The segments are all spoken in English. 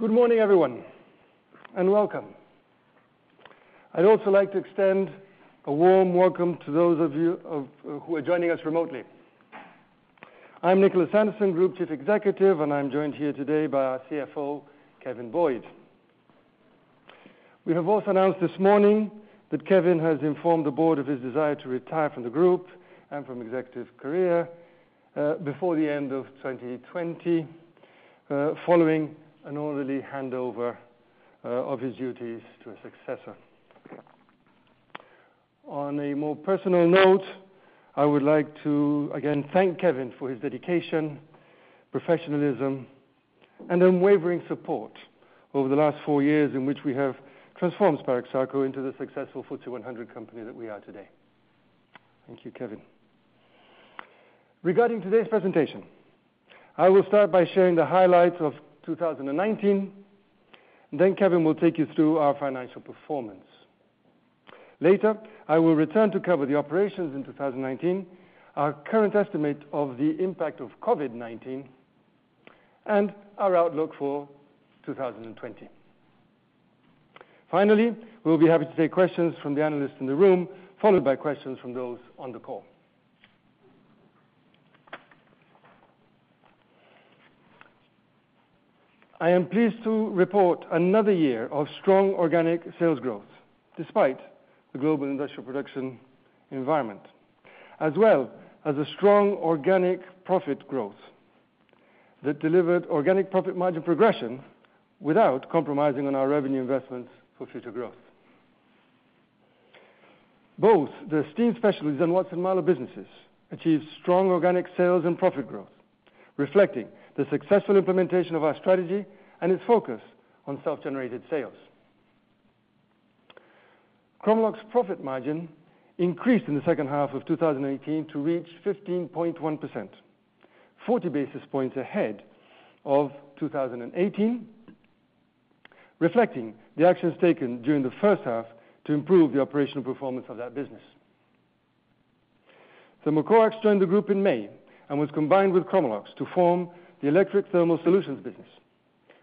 Good morning, everyone, and welcome. I'd also like to extend a warm welcome to those of you who are joining us remotely. I'm Nicholas Anderson, Group Chief Executive, and I'm joined here today by our CFO, Kevin Boyd. We have also announced this morning that Kevin has informed the board of his desire to retire from the group and from executive career before the end of 2020 following an orderly handover of his duties to a successor. On a more personal note, I would like to again thank Kevin for his dedication, professionalism, and unwavering support over the last four years, in which we have transformed Spirax Sarco into the successful FTSE 100 company that we are today. Thank you, Kevin. Regarding today's presentation, I will start by sharing the highlights of 2019, then Kevin will take you through our financial performance. Later, I will return to cover the operations in 2019, our current estimate of the impact of COVID-19, and our outlook for 2020. Finally, we'll be happy to take questions from the analysts in the room, followed by questions from those on the call. I am pleased to report another year of strong organic sales growth, despite the global industrial production environment, as well as a strong organic profit growth that delivered organic profit margin progression without compromising on our revenue investments for future growth. Both the Steam Specialties and Watson-Marlow businesses achieved strong organic sales and profit growth, reflecting the successful implementation of our strategy and its focus on self-generated sales. Chromalox profit margin increased in the second half of 2018 to reach 15.1%, 40 basis points ahead of 2018, reflecting the actions taken during the first half to improve the operational performance of that business. Thermocoax joined the group in May and was combined with Chromalox to form the Electric Thermal Solutions business,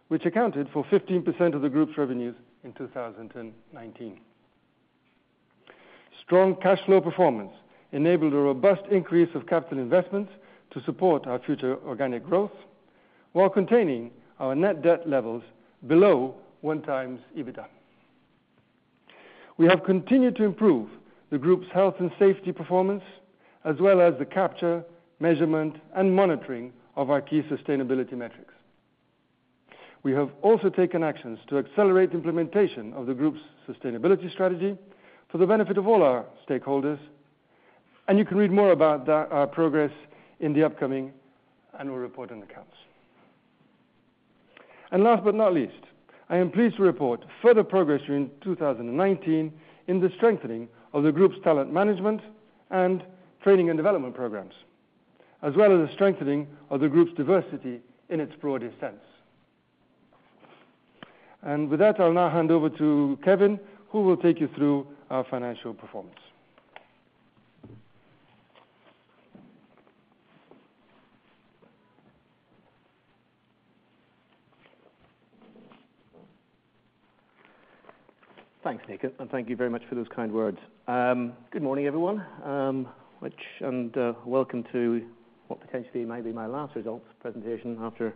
which accounted for 15% of the group's revenues in 2019. Strong cash flow performance enabled a robust increase of capital investments to support our future organic growth while containing our net debt levels below 1x EBITDA. We have continued to improve the group's health and safety performance, as well as the capture, measurement, and monitoring of our key sustainability metrics. We have also taken actions to accelerate implementation of the group's sustainability strategy for the benefit of all our stakeholders, and you can read more about our progress in the upcoming annual report and accounts. Last but not least, I am pleased to report further progress during 2019 in the strengthening of the group's talent management and training and development programs, as well as the strengthening of the group's diversity in its broadest sense. With that, I'll now hand over to Kevin, who will take you through our financial performance. Thanks, Nick, and thank you very much for those kind words. Good morning, everyone, and welcome to what potentially may be my last results presentation after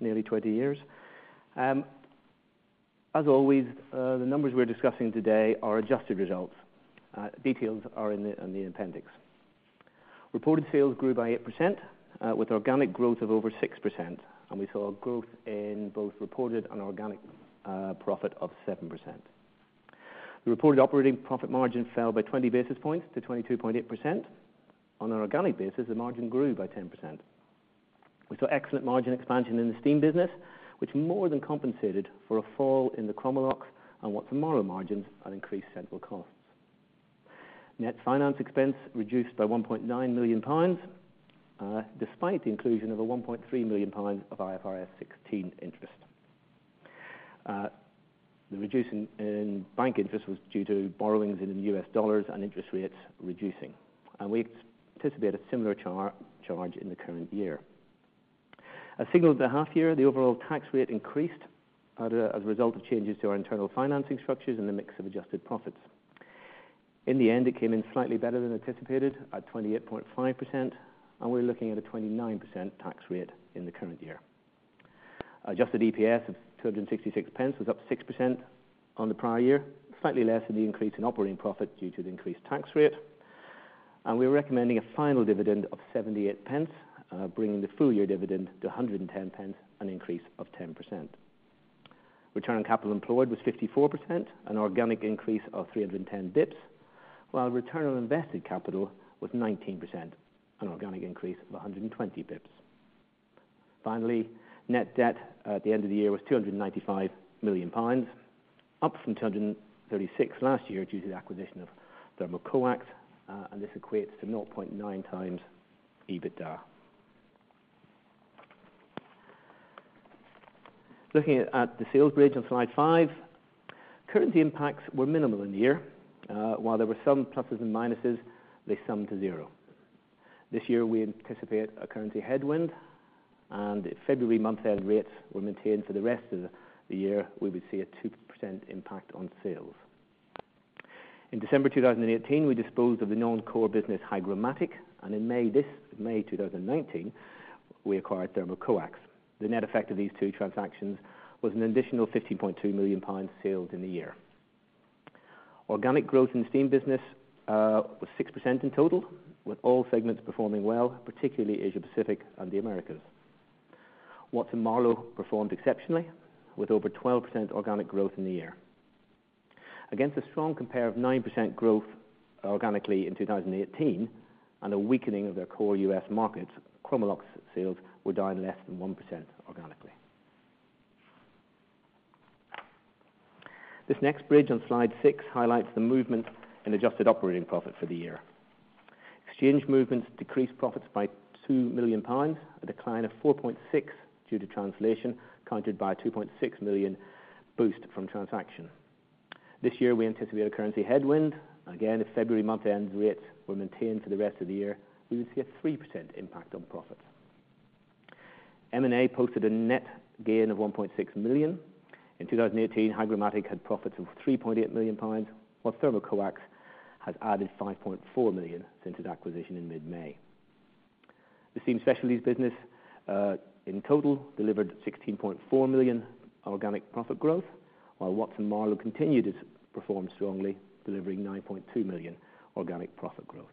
nearly 20 years. As always, the numbers we're discussing today are adjusted results. Details are in the appendix. Reported sales grew by 8%, with organic growth of over 6%, and we saw a growth in both reported and organic profit of 7%. The reported operating profit margin fell by 20 basis points to 22.8%. On an organic basis, the margin grew by 10%. We saw excellent margin expansion in the steam business, which more than compensated for a fall in the Chromalox and Watson-Marlow margins at increased central costs. Net finance expense reduced by 1.9 million pounds, despite the inclusion of a 1.3 million pounds of IFRS 16 interest. The reduction in bank interest was due to borrowings in US dollars and interest rates reducing, and we anticipate a similar charge in the current year. As I said at the half year, the overall tax rate increased as a result of changes to our internal financing structures and the mix of adjusted profits. In the end, it came in slightly better than anticipated at 28.5%, and we're looking at a 29% tax rate in the current year. Adjusted EPS of 266 pence was up 6% on the prior year, slightly less than the increase in operating profit due to the increased tax rate. We're recommending a final dividend of 78 pence, bringing the full year dividend to 110 pence, an increase of 10%. Return on capital employed was 54%, an organic increase of 310 basis points, while return on invested capital was 19%, an organic increase of 120 basis points. Finally, net debt at the end of the year was 295 million pounds, up from 236 million last year due to the acquisition of Thermocoax, and this equates to 0.9x EBITDA. Looking at the sales bridge on slide five, currency impacts were minimal in the year. While there were some pluses and minuses, they summed to zero. This year, we anticipate a currency headwind, and if February month-end rates were maintained for the rest of the year, we would see a 2% impact on sales. In December 2018, we disposed of the non-core business, HygroMatik, and in May, this May 2019, we acquired Thermocoax. The net effect of these two transactions was an additional 50.2 million pounds sales in the year. Organic growth in the steam business was 6% in total, with all segments performing well, particularly Asia Pacific and the Americas. Watson-Marlow performed exceptionally, with over 12% organic growth in the year. Against a strong compare of 9% growth organically in 2018, and a weakening of their core U.S. markets, Chromalox sales were down less than 1% organically. This next bridge on slide six highlights the movement in adjusted operating profit for the year. Exchange movements decreased profits by 2 million pounds, a 4.6% decline due to translation, countered by a 2.6 million boost from transaction. This year, we anticipate a currency headwind. Again, if February month-end rates were maintained for the rest of the year, we would see a 3% impact on profit. M&A posted a net gain of 1.6 million. In 2018, HygroMatik had profits of 3.8 million pounds, while Thermocoax has added 5.4 million since its acquisition in mid-May. The Steam Specialties business, in total, delivered 16.4 million organic profit growth, while Watson-Marlow continued to perform strongly, delivering 9.2 million organic profit growth.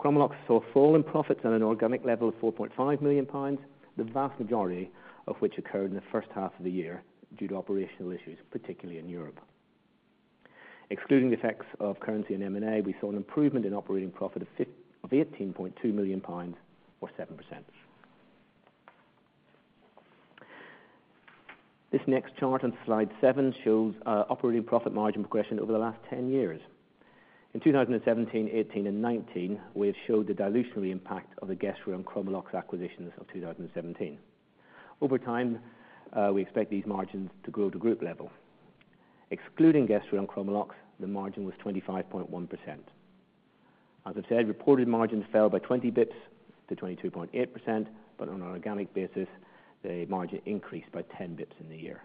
Chromalox saw a fall in profits on an organic level of 4.5 million pounds, the vast majority of which occurred in the first half of the year due to operational issues, particularly in Europe. Excluding the effects of currency and M&A, we saw an improvement in operating profit of eighteen point two million pounds, or 7%. This next chart on slide sevenhows our operating profit margin progression over the last 10 years. In 2017, 2018, and 2019, we have showed the dilutive impact of the Gestra and Chromalox acquisitions of 2017. Over time, we expect these margins to grow to group level. Excluding Gestra and Chromalox, the margin was 25.1%. As I said, reported margins fell by 20 basis points to 22.8%, but on an organic basis, the margin increased by 10 basis points in the year.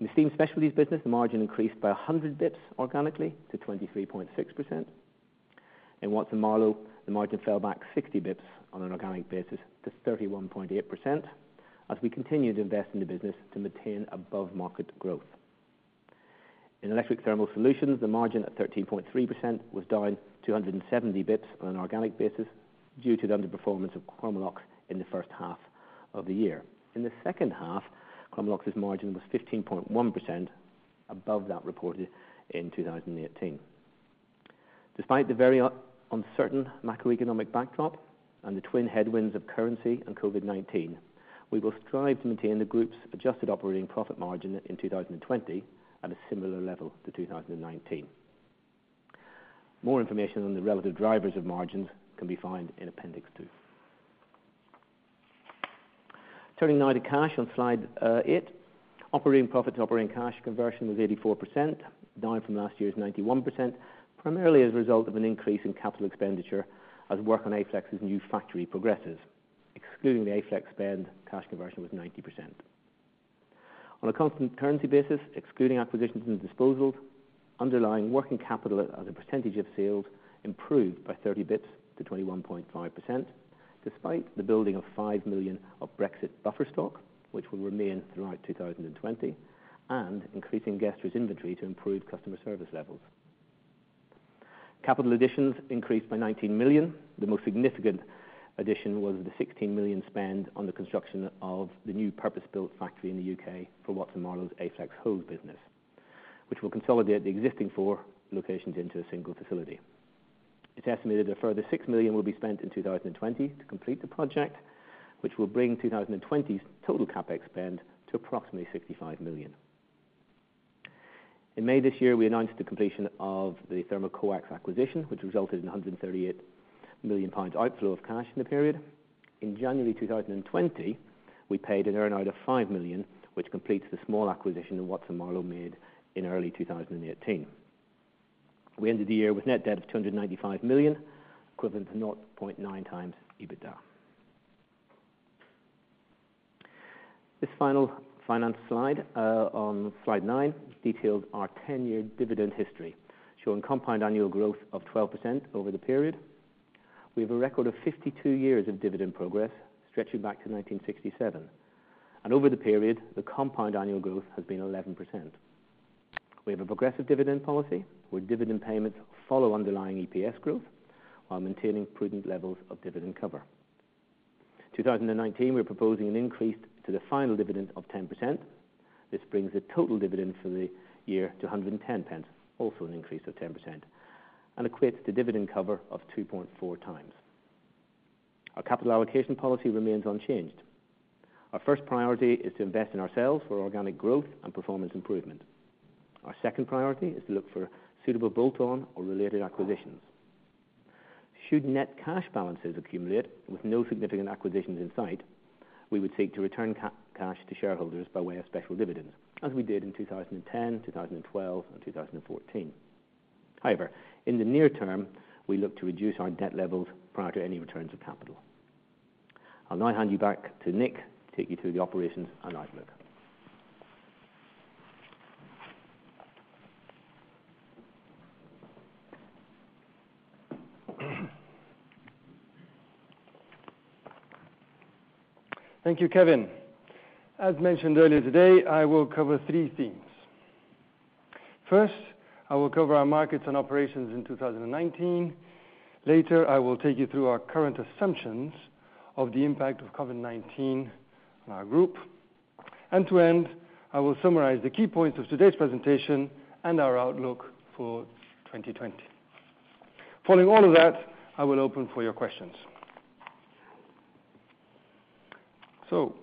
In the Steam Specialties business, the margin increased by 100 basis points organically to 23.6%. In Watson-Marlow, the margin fell back 60 basis points on an organic basis to 31.8%, as we continued to invest in the business to maintain above-market growth. In Electric Thermal Solutions, the margin at 13.3% was down 270 basis points on an organic basis due to the underperformance of Chromalox in the first half of the year. In the second half, Chromalox's margin was 15.1% above that reported in 2018. Despite the very uncertain macroeconomic backdrop and the twin headwinds of currency and COVID-19, we will strive to maintain the group's adjusted operating profit margin in 2020 at a similar level to 2019. More information on the relative drivers of margins can be found in Appendix 2. Turning now to cash on slide eight. Operating profit to operating cash conversion was 84%, down from last year's 91%, primarily as a result of an increase in capital expenditure as work on Aflex's new factory progresses. Excluding the Aflex spend, cash conversion was 90%. On a constant currency basis, excluding acquisitions and disposals, underlying working capital as a percentage of sales improved by thirty basis points to 21.5%, despite the building of 5 million of Brexit buffer stock, which will remain throughout 2020, and increasing Gestra's inventory to improve customer service levels. Capital additions increased by 19 million. The most significant addition was the 16 million spend on the construction of the new purpose-built factory in the U.K. for Watson-Marlow's Aflex hose business, which will consolidate the existing four locations into a single facility. It's estimated a further 6 million will be spent in 2020 to complete the project, which will bring 2020s total CapEx spend to approximately 65 million. In May this year, we announced the completion of the Thermocoax acquisition, which resulted in a 138 million pounds outflow of cash in the period. In January 2020, we paid an earn-out of 5 million, which completes the small acquisition that Watson-Marlow made in early 2018. We ended the year with net debt of 295 million, equivalent to 0.9x EBITDA. This final finance slide, on slide nine, details our 10-year dividend history, showing compound annual growth of 12% over the period. We have a record of 52 years of dividend progress, stretching back to 1967, and over the period, the compound annual growth has been 11%. We have a progressive dividend policy, where dividend payments follow underlying EPS growth while maintaining prudent levels of dividend cover. 2019, we're proposing an increase to the final dividend of 10%. This brings the total dividend for the year to 110 pence, also an increase of 10%, and equates to dividend cover of 2.4x. Our capital allocation policy remains unchanged. Our first priority is to invest in ourselves for organic growth and performance improvement. Our second priority is to look for suitable bolt-on or related acquisitions. Should net cash balances accumulate with no significant acquisitions in sight? We would seek to return cash to shareholders by way of special dividends, as we did in 2010, 2012, and 2014. However, in the near term, we look to reduce our debt levels prior to any returns of capital. I'll now hand you back to Nick to take you through the operations and outlook. Thank you, Kevin. As mentioned earlier today, I will cover three themes. First, I will cover our markets and operations in 2019. Later, I will take you through our current assumptions of the impact of COVID-19 on our group. And to end, I will summarize the key points of today's presentation and our outlook for 2020. Following all of that, I will open for your questions. So,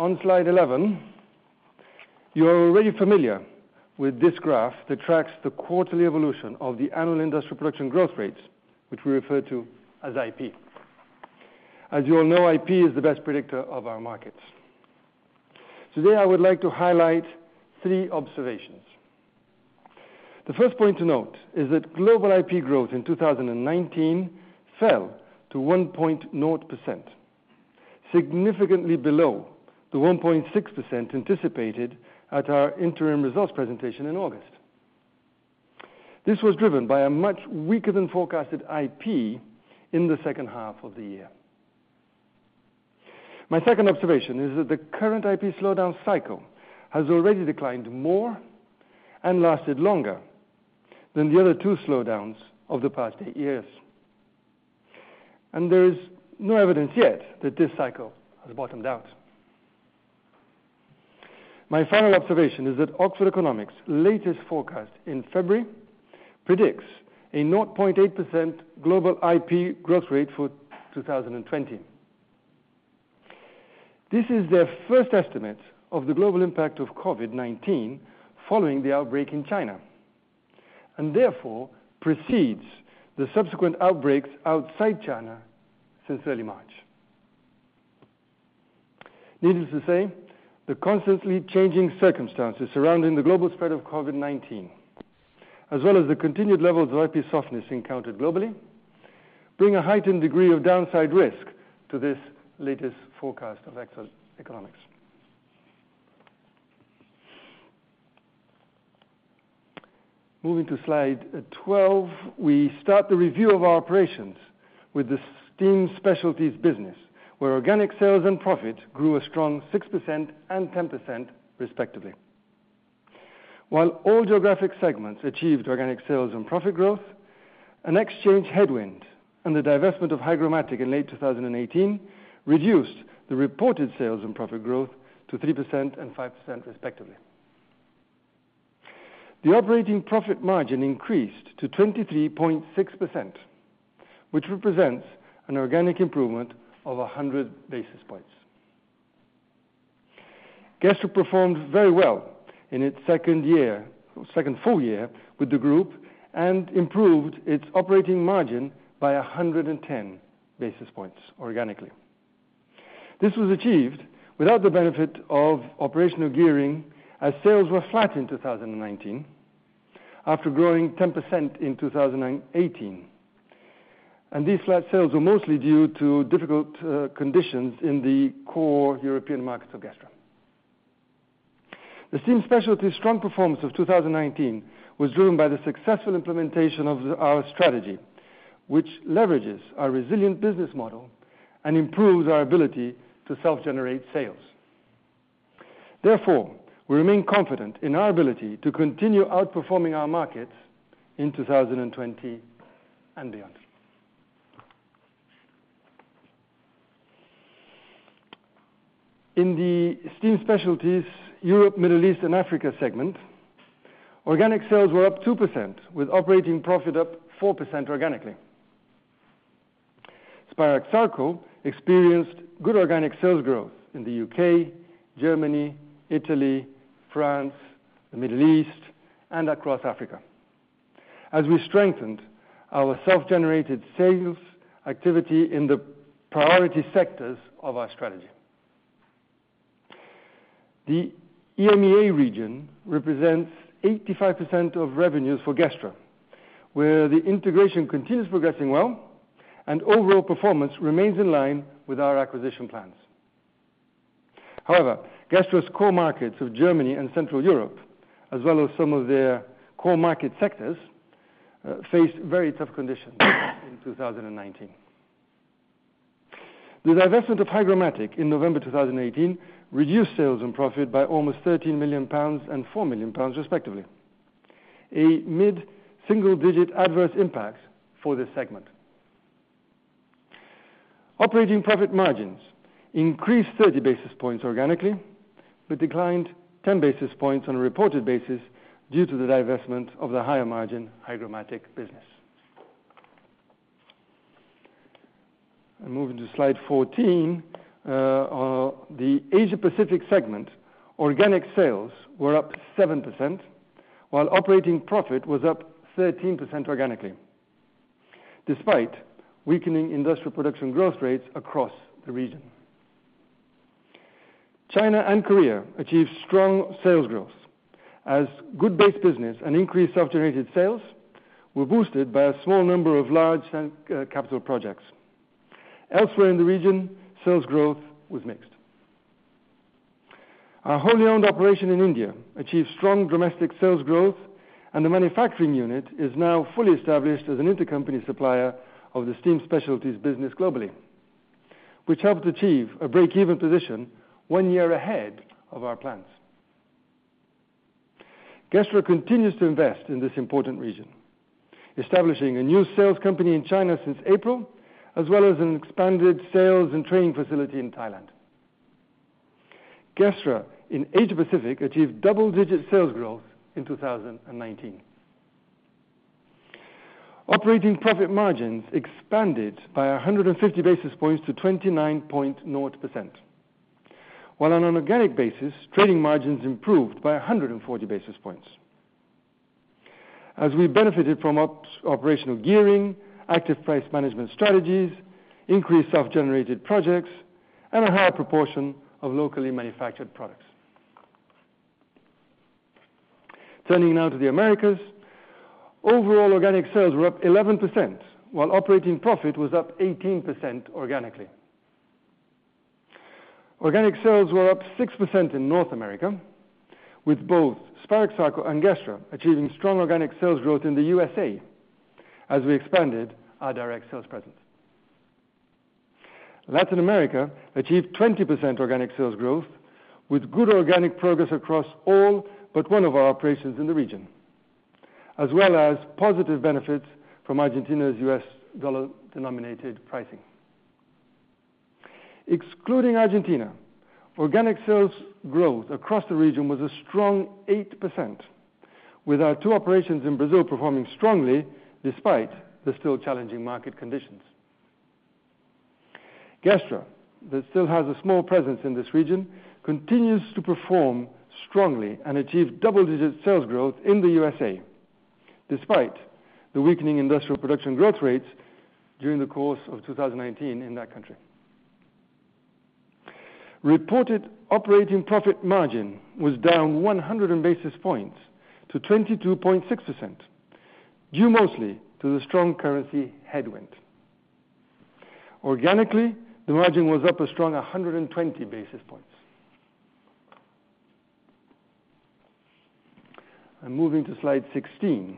on slide 11, you're already familiar with this graph that tracks the quarterly evolution of the annual industry production growth rates, which we refer to as IP. As you all know, IP is the best predictor of our markets. Today, I would like to highlight three observations. The first point to note is that global IP growth in 2019 fell to 1.0%, significantly below the 1.6% anticipated at our interim results presentation in August. This was driven by a much weaker than forecasted IP in the second half of the year. My second observation is that the current IP slowdown cycle has already declined more and lasted longer than the other two slowdowns of the past eight years. And there is no evidence yet that this cycle has bottomed out. My final observation is that Oxford Economics' latest forecast in February predicts a 0.8% global IP growth rate for 2020. This is their first estimate of the global impact of COVID-19 following the outbreak in China, and therefore, precedes the subsequent outbreaks outside China since early March. Needless to say, the constantly changing circumstances surrounding the global spread of COVID-19, as well as the continued levels of IP softness encountered globally, bring a heightened degree of downside risk to this latest forecast of Oxford Economics. Moving to slide 12, we start the review of our operations with the Steam Specialties business, where organic sales and profit grew a strong 6% and 10%, respectively. While all geographic segments achieved organic sales and profit growth, an exchange headwind and the divestment of HygroMatik in late 2018 reduced the reported sales and profit growth to 3% and 5%, respectively. The operating profit margin increased to 23.6%, which represents an organic improvement of 100 basis points. Gestra performed very well in its second year, second full year with the group and improved its operating margin by 110 basis points organically. This was achieved without the benefit of operational gearing, as sales were flat in 2019 after growing 10% in 2018. These flat sales were mostly due to difficult conditions in the core European markets of Gestra. The Steam Specialties' strong performance of 2019 was driven by the successful implementation of our strategy, which leverages our resilient business model and improves our ability to self-generate sales. Therefore, we remain confident in our ability to continue outperforming our markets in 2020 and beyond. In the Steam Specialties, Europe, Middle East, and Africa segment, organic sales were up 2%, with operating profit up 4% organically. Spirax Sarco experienced good organic sales growth in the U.K., Germany, Italy, France, the Middle East, and across Africa, as we strengthened our self-generated sales activity in the priority sectors of our strategy. The EMEA region represents 85% of revenues for Gestra, where the integration continues progressing well and overall performance remains in line with our acquisition plans. However, Gestra's core markets of Germany and Central Europe, as well as some of their core market sectors, faced very tough conditions in 2019. The divestment of HygroMatik in November 2018 reduced sales and profit by almost 13 million pounds and 4 million pounds, respectively, a mid-single digit adverse impact for this segment. Operating profit margins increased 30 basis points organically, but declined 10 basis points on a reported basis due to the divestment of the higher margin HygroMatik business. I'm moving to slide 14. The Asia Pacific segment, organic sales were up 7% while operating profit was up 13% organically, despite weakening industrial production growth rates across the region. China and Korea achieved strong sales growth, as good base business and increased self-generated sales were boosted by a small number of large capital projects. Elsewhere in the region, sales growth was mixed. Our wholly owned operation in India achieved strong domestic sales growth, and the manufacturing unit is now fully established as an intercompany supplier of the Steam Specialties business globally, which helped achieve a break-even position one year ahead of our plans. Gestra continues to invest in this important region, establishing a new sales company in China since April, as well as an expanded sales and training facility in Thailand. Gestra, in Asia Pacific, achieved double-digit sales growth in 2019. Operating profit margins expanded by 150 basis points to 29.0%, while on an organic basis, trading margins improved by 140 basis points. As we benefited from operational gearing, active price management strategies, increased self-generated projects, and a higher proportion of locally manufactured products. Turning now to the Americas, overall organic sales were up 11%, while operating profit was up 18% organically. Organic sales were up 6% in North America, with both Spirax Sarco and Gestra achieving strong organic sales growth in the USA as we expanded our direct sales presence. Latin America achieved 20% organic sales growth, with good organic progress across all but one of our operations in the region, as well as positive benefits from Argentina's US dollar-denominated pricing. Excluding Argentina, organic sales growth across the region was a strong 8%, with our two operations in Brazil performing strongly despite the still challenging market conditions. Gestra, that still has a small presence in this region, continues to perform strongly and achieve double-digit sales growth in the USA, despite the weakening industrial production growth rates during the course of 2019 in that country. Reported operating profit margin was down 100 basis points to 22.6%, due mostly to the strong currency headwind. Organically, the margin was up a strong 120 basis points. I'm moving to slide 16.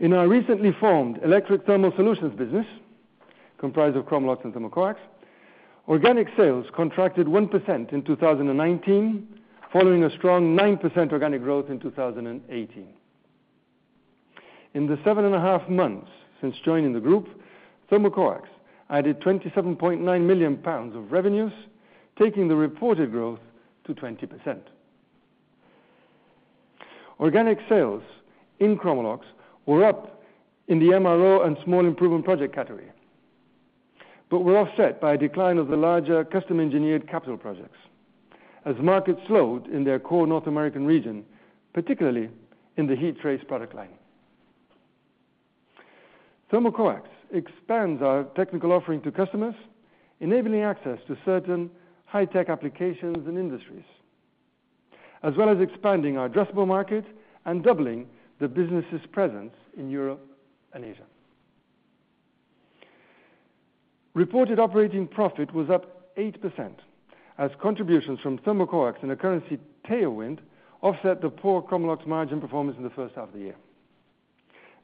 In our recently formed Electric Thermal Solutions business, comprised of Chromalox and Thermocoax, organic sales contracted 1% in 2019, following a strong 9% organic growth in 2018. In the seven and a half months since joining the group, Thermocoax added 27.9 million pounds of revenues, taking the reported growth to 20%. Organic sales in Chromalox were up in the MRO and small improvement project category, but were offset by a decline of the larger custom-engineered capital projects as the market slowed in their core North American region, particularly in the heat trace product line. Thermocoax expands our technical offering to customers, enabling access to certain high-tech applications and industries, as well as expanding our addressable market and doubling the business's presence in Europe and Asia. Reported operating profit was up 8%, as contributions from Thermocoax and a currency tailwind offset the poor Chromalox margin performance in the first half of the year.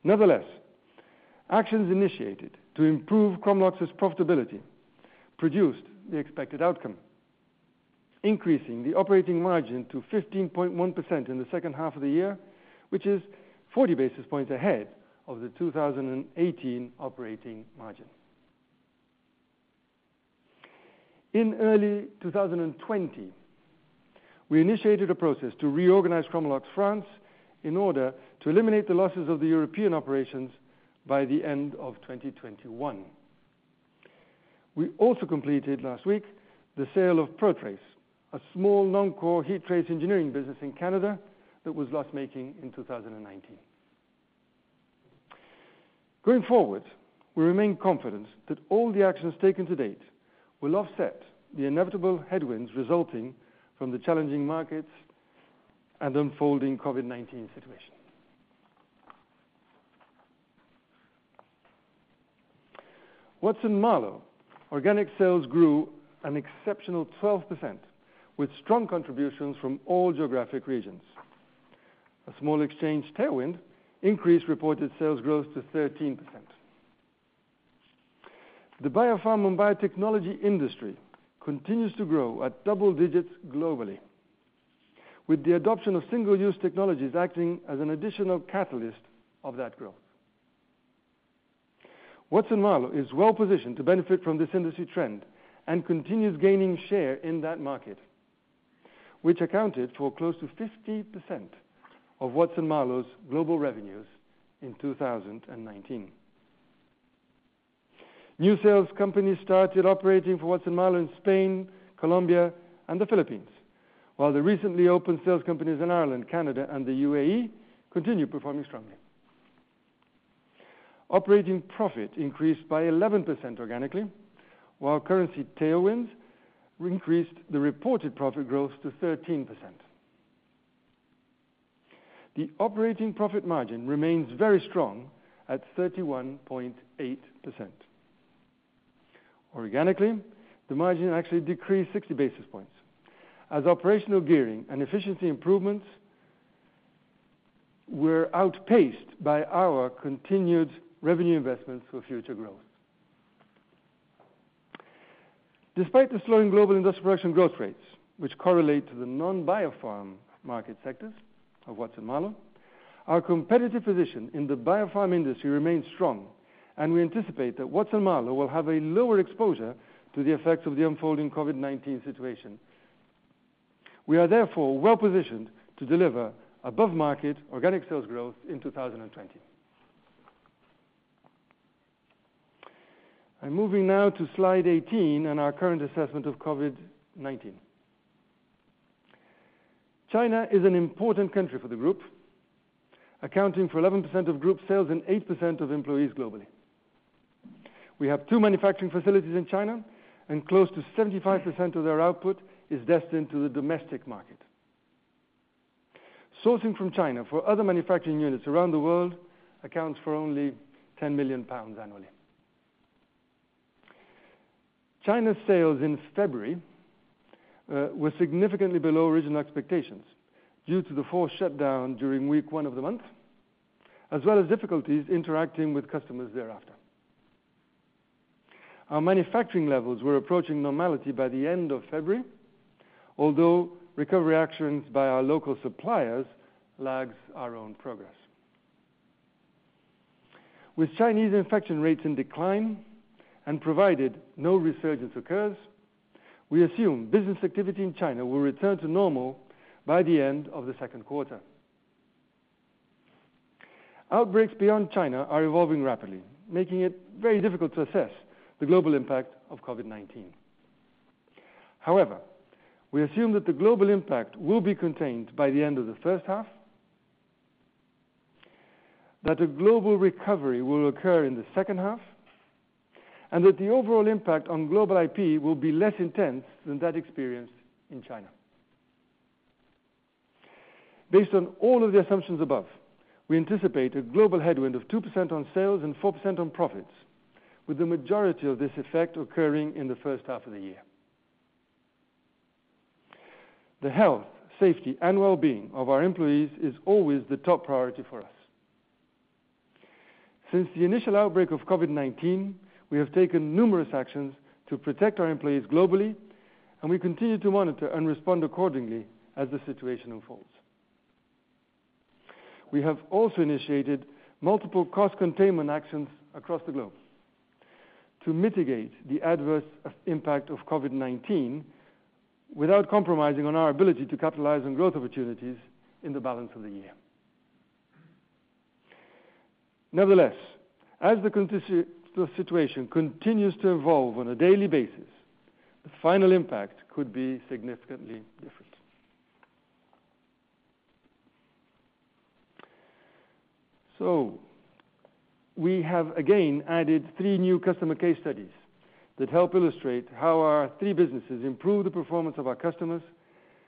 Nevertheless, actions initiated to improve Chromalox's profitability produced the expected outcome, increasing the operating margin to 15.1% in the second half of the year, which is 40 basis points ahead of the 2018 operating margin. In early 2020, we initiated a process to reorganize Chromalox France in order to eliminate the losses of the European operations by the end of 2021. We also completed last week the sale of ProTrace, a small, non-core heat trace engineering business in Canada that was loss-making in 2019. Going forward, we remain confident that all the actions taken to date will offset the inevitable headwinds resulting from the challenging markets and unfolding COVID-19 situation. Watson-Marlow organic sales grew an exceptional 12%, with strong contributions from all geographic regions. A small exchange tailwind increased reported sales growth to 13%. The biopharm and biotechnology industry continues to grow at double digits globally, with the adoption of single-use technologies acting as an additional catalyst of that growth. Watson-Marlow is well positioned to benefit from this industry trend and continues gaining share in that market, which accounted for close to 50% of Watson-Marlow's global revenues in 2019. New sales companies started operating for Watson-Marlow in Spain, Colombia, and the Philippines, while the recently opened sales companies in Ireland, Canada, and the UAE continue performing strongly. Operating profit increased by 11% organically, while currency tailwinds increased the reported profit growth to 13%. The operating profit margin remains very strong at 31.8%. Organically, the margin actually decreased 60 basis points, as operational gearing and efficiency improvements were outpaced by our continued revenue investments for future growth. Despite the slowing global industrial production growth rates, which correlate to the non-biopharm market sectors of Watson-Marlow, our competitive position in the biopharm industry remains strong, and we anticipate that Watson-Marlow will have a lower exposure to the effects of the unfolding COVID-19 situation. We are therefore well-positioned to deliver above-market organic sales growth in 2020. I'm moving now to slide 18 and our current assessment of COVID-19. China is an important country for the group, accounting for 11% of group sales and 8% of employees globally. We have two manufacturing facilities in China, and close to 75% of their output is destined to the domestic market. Sourcing from China for other manufacturing units around the world accounts for only 10 million pounds annually. China's sales in February were significantly below original expectations due to the forced shutdown during week one of the month, as well as difficulties interacting with customers thereafter. Our manufacturing levels were approaching normality by the end of February, although recovery actions by our local suppliers lags our own progress. With Chinese infection rates in decline, and provided no resurgence occurs, we assume business activity in China will return to normal by the end of the second quarter. Outbreaks beyond China are evolving rapidly, making it very difficult to assess the global impact of COVID-19. However, we assume that the global impact will be contained by the end of the first half, that a global recovery will occur in the second half, and that the overall impact on global IP will be less intense than that experienced in China. Based on all of the assumptions above, we anticipate a global headwind of 2% on sales and 4% on profits, with the majority of this effect occurring in the first half of the year. The health, safety, and well-being of our employees is always the top priority for us. Since the initial outbreak of COVID-19, we have taken numerous actions to protect our employees globally, and we continue to monitor and respond accordingly as the situation unfolds. We have also initiated multiple cost containment actions across the globe to mitigate the adverse impact of COVID-19 without compromising on our ability to capitalize on growth opportunities in the balance of the year. Nevertheless, as the situation continues to evolve on a daily basis, the final impact could be significantly different. We have again added three new customer case studies that help illustrate how our three businesses improve the performance of our customers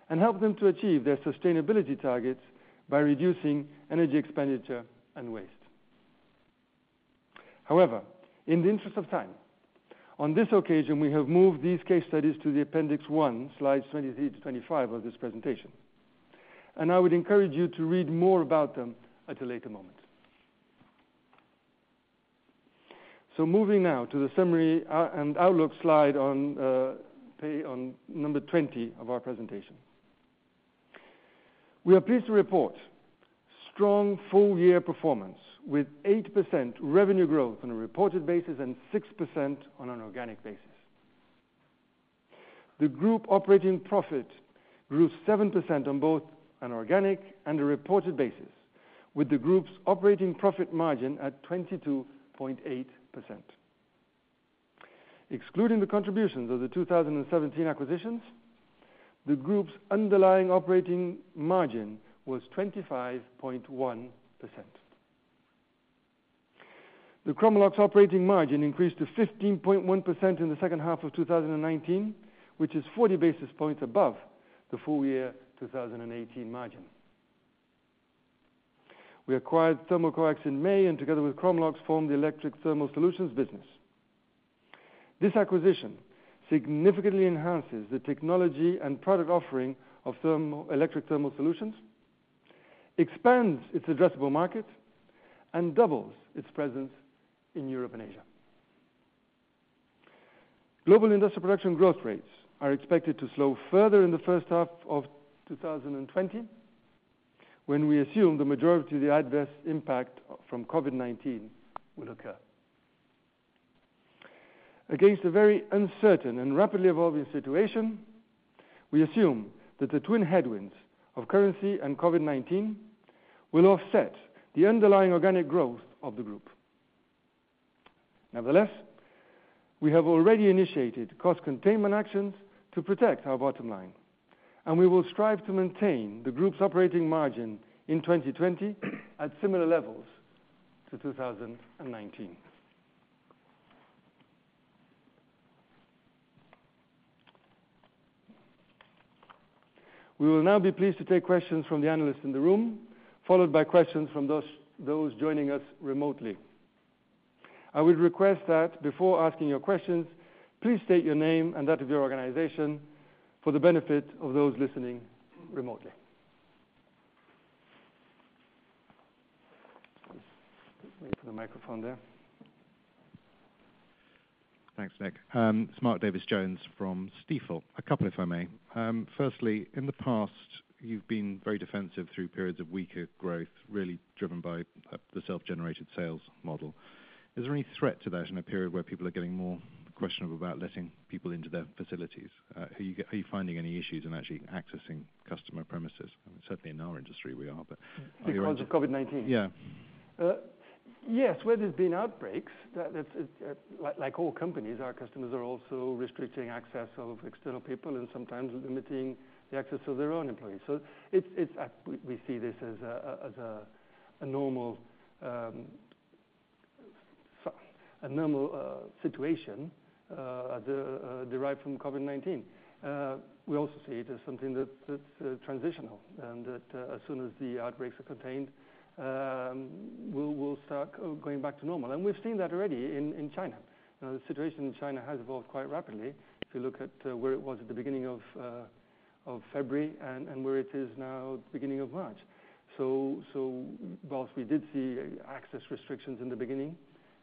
and help them to achieve their sustainability targets by reducing energy expenditure and waste. However, in the interest of time, on this occasion, we have moved these case studies to the Appendix One, slides 23-25 of this presentation, and I would encourage you to read more about them at a later moment. Moving now to the summary and outlook slide on number 20 of our presentation. We are pleased to report strong full-year performance, with 8% revenue growth on a reported basis and 6% on an organic basis. The group operating profit grew 7% on both an organic and a reported basis, with the group's operating profit margin at 22.8%. Excluding the contributions of the 2017 acquisitions, the group's underlying operating margin was 25.1%. The Chromalox's operating margin increased to 15.1% in the second half of 2019, which is 40 basis points above the full year 2018 margin. We acquired Thermocoax in May, and together with Chromalox, formed the Electric Thermal Solutions business. This acquisition significantly enhances the technology and product offering of the Electric Thermal Solutions, expands its addressable market, and doubles its presence in Europe and Asia. Global industrial production growth rates are expected to slow further in the first half of 2020, when we assume the majority of the adverse impact from COVID-19 will occur. Against a very uncertain and rapidly evolving situation. We assume that the twin headwinds of currency and COVID-19 will offset the underlying organic growth of the group. Nevertheless, we have already initiated cost containment actions to protect our bottom line, and we will strive to maintain the group's operating margin in 2020 at similar levels to 2019. We will now be pleased to take questions from the analysts in the room, followed by questions from those joining us remotely. I would request that before asking your questions, please state your name and that of your organization for the benefit of those listening remotely. Wait for the microphone there. Thanks, Nick. It's Mark Davies Jones from Stifel. A couple, if I may. Firstly, in the past, you've been very defensive through periods of weaker growth, really driven by the self-generated sales model. Is there any threat to that in a period where people are getting more questionable about letting people into their facilities? Are you finding any issues in actually accessing customer premises? I mean, certainly in our industry. Because of COVID-19? Yes, where there's been outbreaks, that, it, like all companies, our customers are also restricting access of external people and sometimes limiting the access of their own employees. So it's we see this as a normal situation derived from COVID-19. We also see it as something that's transitional, and that as soon as the outbreaks are contained, we'll start going back to normal, and we've seen that already in China. Now, the situation in China has evolved quite rapidly. If you look at where it was at the beginning of February and where it is now, beginning of March. So whilst we did see access restrictions in the beginning,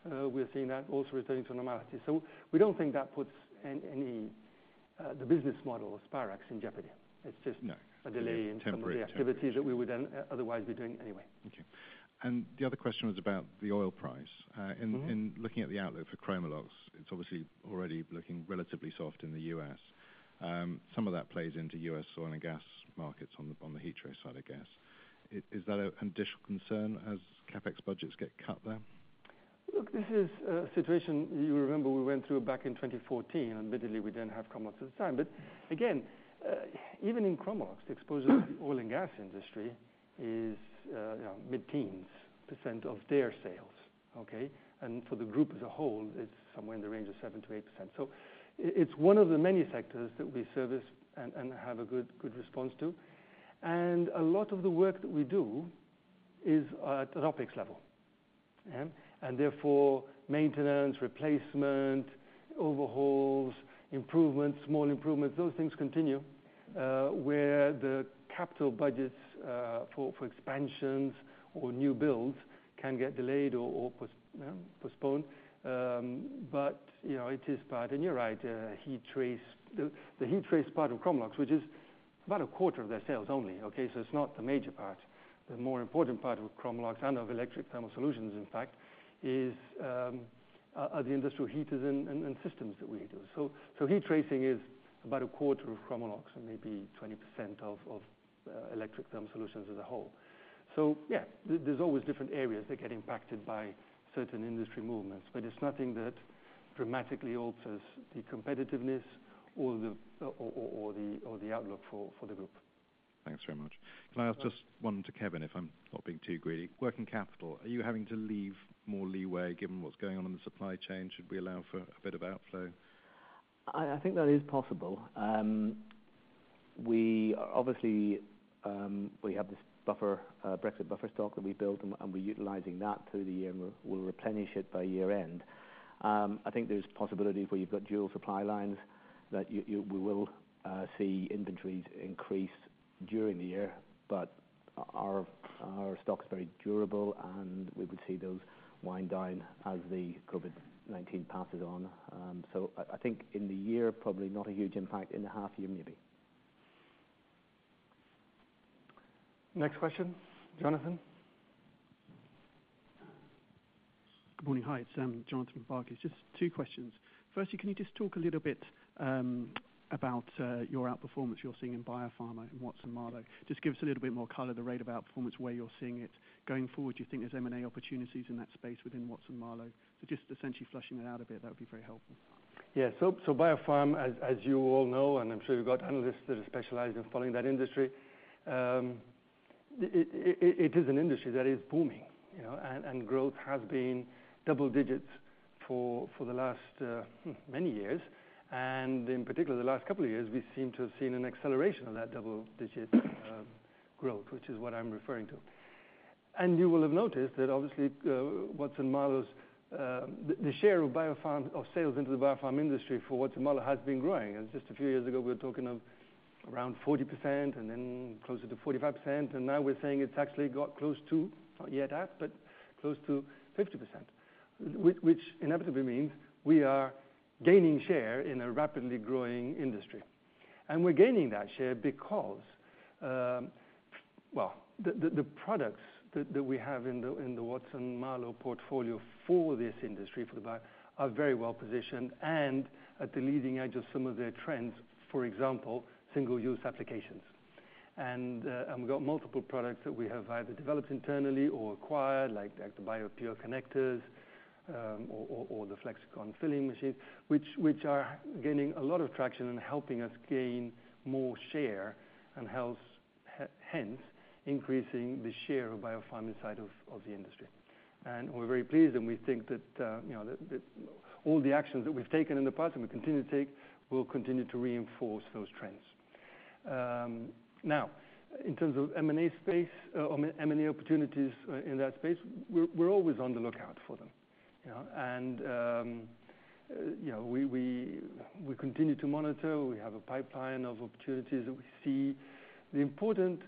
we're seeing that also returning to normality. We don't think that puts the business model of Spirax in jeopardy. It's just a delay in some of the activities that we would then, otherwise be doing anyway. No. Temporary. Thank you. And the other question was about the oil price. In looking at the outlook for Chromalox, it's obviously already looking relatively soft in the US. Some of that plays into US oil and gas markets on the heat trace side of gas. Is that an additional concern as CapEx budgets get cut there? Look, this is a situation you remember we went through back in 2014, and admittedly, we didn't have Chromalox at the time. But again, even in Chromalox, the exposure to the oil and gas industry is, you know, mid-teens% of their sales, okay? And for the group as a whole, it's somewhere in the range of 7%-8%. So it's one of the many sectors that we service and, and have a good, good response to. And a lot of the work that we do is at an MRO level. Yeah? And therefore, maintenance, replacement, overhauls, improvements, small improvements, those things continue. Where the capital budgets for expansions or new builds can get delayed or postponed. But, you know, it is part, and you're right, heat trace, the heat trace part of Chromalox, which is about a quarter of their sales only, okay? So it's not the major part. The more important part of Chromalox and of Electric Thermal Solutions, in fact, is the industrial heaters and systems that we do. So heat tracing is about a quarter of Chromalox and maybe 20% of Electric Thermal Solutions as a whole. So yeah, there's always different areas that get impacted by certain industry movements, but it's nothing that dramatically alters the competitiveness or the outlook for the group. Thanks very much. Can I ask just one to Kevin, if I'm not being too greedy? Working capital, are you having to leave more leeway given what's going on in the supply chain? Should we allow for a bit of outflow? I think that is possible. We obviously have this buffer, Brexit buffer stock that we built, and we're utilizing that through the year, and we'll replenish it by year end. I think there's possibilities where you've got dual supply lines that we will see inventories increase during the year, but our stock's very durable, and we would see those wind down as the COVID-19 passes on. So I think in the year, probably not a huge impact. In the half year, maybe. Next question, Jonathan? Good morning. Hi, it's Jonathan Hurn. Just two questions. Firstly, can you just talk a little bit about your outperformance you're seeing in biopharma, in Watson-Marlow? Just give us a little bit more color, the rate of outperformance, where you're seeing it going forward. Do you think there's M&A opportunities in that space within Watson-Marlow? So just essentially fleshing it out a bit, that would be very helpful. Yeah, so biopharm, as you all know, and I'm sure you've got analysts that are specialized in following that industry. It is an industry that is booming, you know, and growth has been double digits for the last many years. And in particular, the last couple of years, we seem to have seen an acceleration of that double-digit growth, which is what I'm referring to. And you will have noticed that obviously, Watson-Marlow's the share of biopharm of sales into the biopharm industry for Watson-Marlow has been growing. And just a few years ago, we were talking of around 40% and then closer to 45%, and now we're saying it's actually got close to, not yet half, but close to 50%, which inevitably means we are gaining share in a rapidly growing industry. We're gaining that share because the products that we have in the Watson-Marlow portfolio for this industry, for the bio, are very well positioned and at the leading edge of some of their trends, for example, single-use applications. And we've got multiple products that we have either developed internally or acquired, like the BioPure connectors, or the Flexicon filling machines, which are gaining a lot of traction and helping us gain more share, and hence increasing the share of biopharm inside of the industry. We're very pleased, and we think that, you know, that all the actions that we've taken in the past, and we continue to take, will continue to reinforce those trends. Now, in terms of M&A space, or M&A opportunities in that space, we're always on the lookout for them, you know? And, you know, we continue to monitor. We have a pipeline of opportunities that we see. The important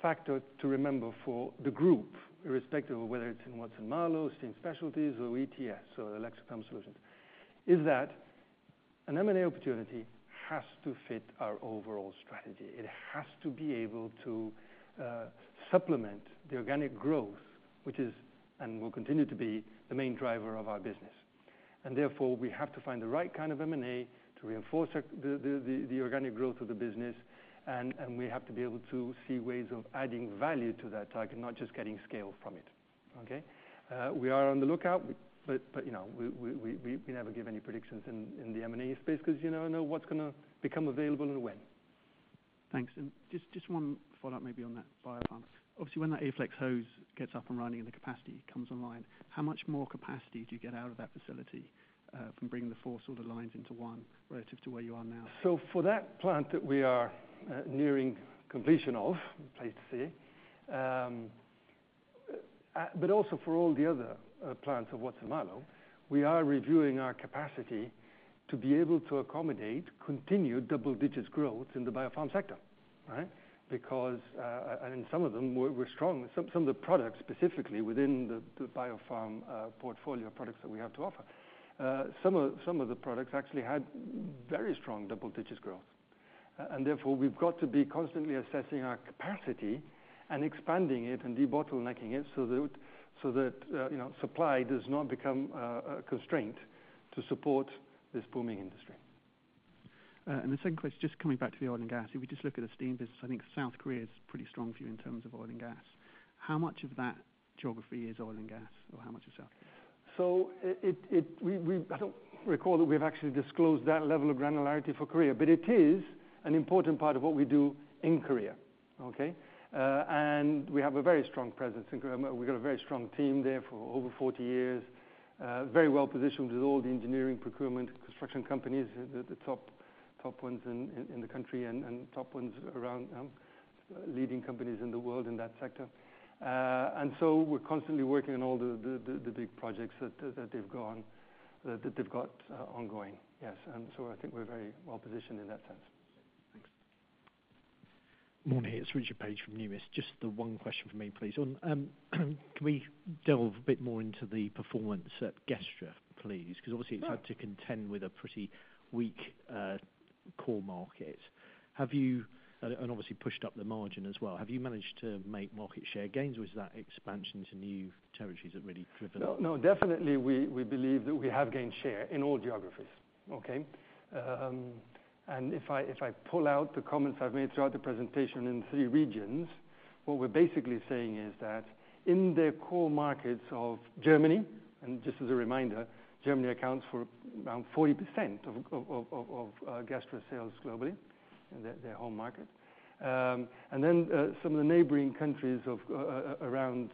factor to remember for the group, irrespective of whether it's in Watson-Marlow, it's in Specialties or ETS, so Electric Thermal Solutions, is that an M&A opportunity has to fit our overall strategy. It has to be able to supplement the organic growth, which is, and will continue to be, the main driver of our business. Therefore, we have to find the right kind of M&A to reinforce our organic growth of the business, and we have to be able to see ways of adding value to that target, not just getting scale from it, okay? We are on the lookout, but you know, we never give any predictions in the M&A space, 'cause you never know what's gonna become available and when. Thanks. And just one follow-up maybe on that biopharm. Obviously, when that Aflex Hose gets up and running and the capacity comes online, how much more capacity do you get out of that facility, from bringing the four sort of lines into one, relative to where you are now? So for that plant that we are nearing completion of, safe to say, but also for all the other plants of Watson-Marlow, we are reviewing our capacity to be able to accommodate continued double-digits growth in the biopharm sector, right? Because and in some of them, we're strong. Some of the products, specifically within the biopharm portfolio products that we have to offer. Some of the products actually had very strong double-digits growth. And therefore, we've got to be constantly assessing our capacity and expanding it and debottlenecking it, so that you know, supply does not become a constraint to support this booming industry. And the second question, just coming back to the oil and gas. If we just look at the steam business, I think South Korea is pretty strong for you in terms of oil and gas. How much of that geography is oil and gas, or how much is South Korea? I don't recall that we've actually disclosed that level of granularity for Korea, but it is an important part of what we do in Korea, okay, and we have a very strong presence in Korea. We've got a very strong team there for over 40 years. Very well positioned with all the engineering, procurement, construction companies, the top ones in the country and top ones around leading companies in the world in that sector, and so we're constantly working on all the big projects that they've got ongoing. Yes, and so I think we're very well positioned in that sense. Thanks. Morning, it's Richard Paige from Numis. Just the one question for me, please. On, can we delve a bit more into the performance at Gestra, please?'Cause obviously, it's had to contend with a pretty weak, core market. Have you-- and obviously pushed up the margin as well. Have you managed to make market share gains, or is that expansion to new territories that really driven it? No, no, definitely, we, we believe that we have gained share in all geographies, okay? And if I, if I pull out the comments I've made throughout the presentation in three regions, what we're basically saying is that in the core markets of Germany, and just as a reminder, Germany accounts for around 40% of Gestra sales globally, in their home market. And then, some of the neighboring countries around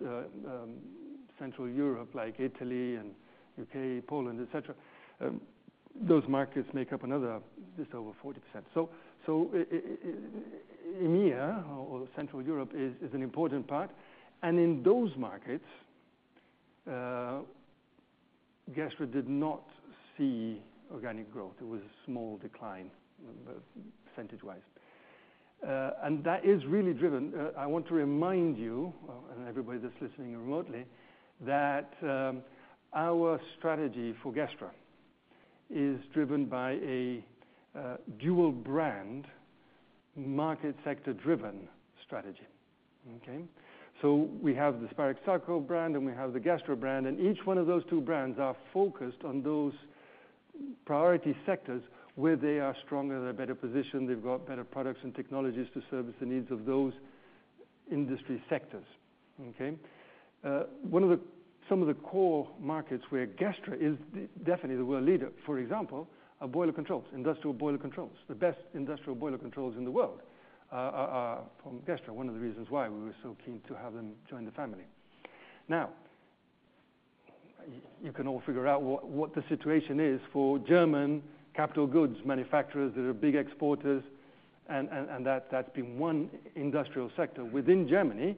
Central Europe, like Italy and U.K., Poland, et cetera, those markets make up another just over 40%. So EMEA or Central Europe is an important part. And in those markets, Gestra did not see organic growth. There was a small decline, percentage-wise. I want to remind you and everybody that's listening remotely that our strategy for Gestra is driven by a dual brand, market sector-driven strategy, okay? So we have the Spirax Sarco brand, and we have the Gestra brand, and each one of those two brands are focused on those priority sectors where they are stronger, they're better positioned, they've got better products and technologies to service the needs of those industry sectors, okay? One of the some of the core markets where Gestra is definitely the world leader, for example, are boiler controls, industrial boiler controls. The best industrial boiler controls in the world are from Gestra, one of the reasons why we were so keen to have them join the family. Now, you can all figure out what the situation is for German capital goods manufacturers that are big exporters, and that that's been one industrial sector within Germany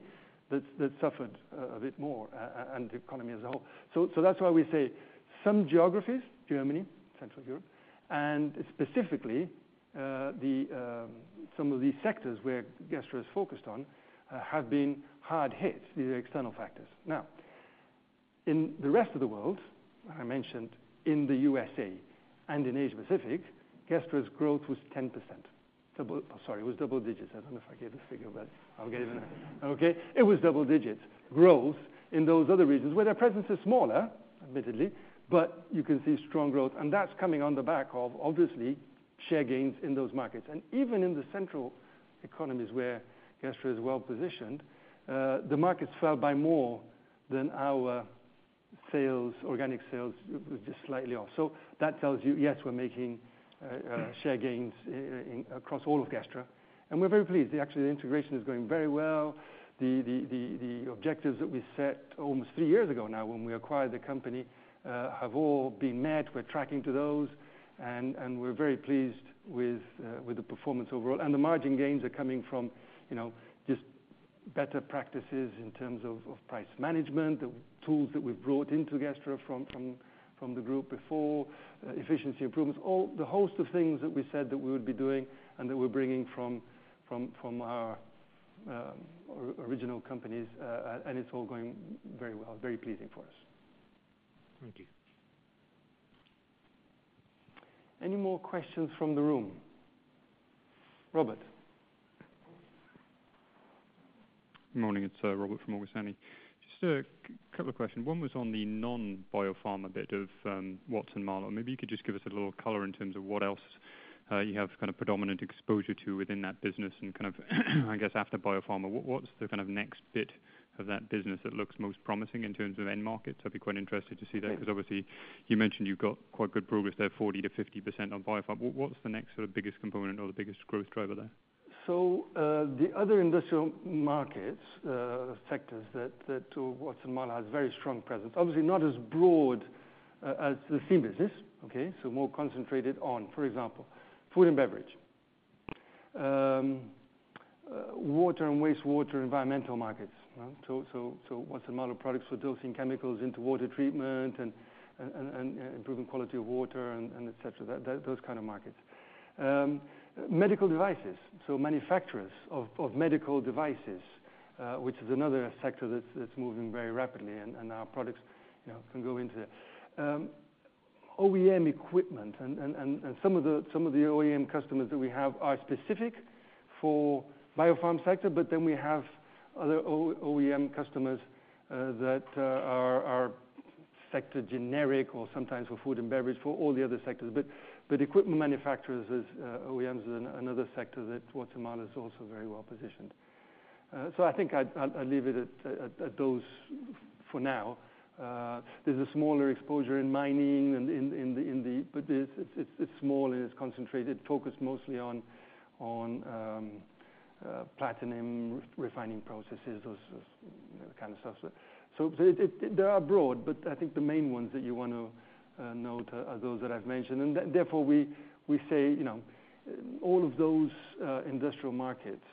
that's suffered a bit more, and the economy as a whole. So that's why we say some geographies, Germany, Central Europe, and specifically, some of these sectors where Gestra is focused on have been hard hit due to external factors. In the rest of the world, I mentioned in the USA and in Asia Pacific, Gestra's growth was 10%. Double, sorry, it was double digits. I don't know if I gave the figure, but I'll give it. Okay, it was double digits growth in those other regions where their presence is smaller, admittedly, but you can see strong growth, and that's coming on the back of obviously, share gains in those markets. And even in the central economies where Gestra is well positioned, the markets fell by more than our sales, organic sales, just slightly off. So that tells you, yes, we're making share gains in across all of Gestra, and we're very pleased. Actually, the integration is going very well. The objectives that we set almost three years ago now, when we acquired the company, have all been met. We're tracking to those, and we're very pleased with the performance overall. The margin gains are coming from, you know, just better practices in terms of price management, the tools that we've brought into Gestra from the group before, efficiency improvements, all the host of things that we said that we would be doing and that we're bringing from our original companies, and it's all going very well. Very pleasing for us. Thank you. Any more questions from the room? Robert. Morning, it's Robert from Morgan Stanley. Just a couple of questions. One was on the non-biopharma bit of Watson-Marlow. Maybe you could just give us a little color in terms of what else you have kind of predominant exposure to within that business and kind of, I guess, after biopharma, what, what's the kind of next bit of that business that looks most promising in terms of end market? I'd be quite interested to see that, because obviously, you mentioned you've got quite good progress there, 40%-50% on biopharma. What, what's the next sort of biggest component or the biggest growth driver there? So, the other industrial markets, sectors that Watson-Marlow has very strong presence, obviously not as broad as the steam business, okay? So more concentrated on, for example, food and beverage, water and wastewater, environmental markets, right? So Watson-Marlow products for dosing chemicals into water treatment and improving quality of water and et cetera, those kind of markets. Medical devices, so manufacturers of medical devices, which is another sector that's moving very rapidly, and our products, you know, can go into. OEM equipment and some of the OEM customers that we have are specific for biopharm sector, but then we have other OEM customers that are sector generic or sometimes for food and beverage, for all the other sectors. Equipment manufacturers as OEMs is another sector that Watson-Marlow is also very well positioned, so I think I'll leave it at those for now. There's a smaller exposure in mining, but it's small, and it's concentrated, focused mostly on platinum refining processes, those kind of stuff. They are broad, but I think the main ones that you want to note are those that I've mentioned. Therefore, we say, you know, all of those industrial markets,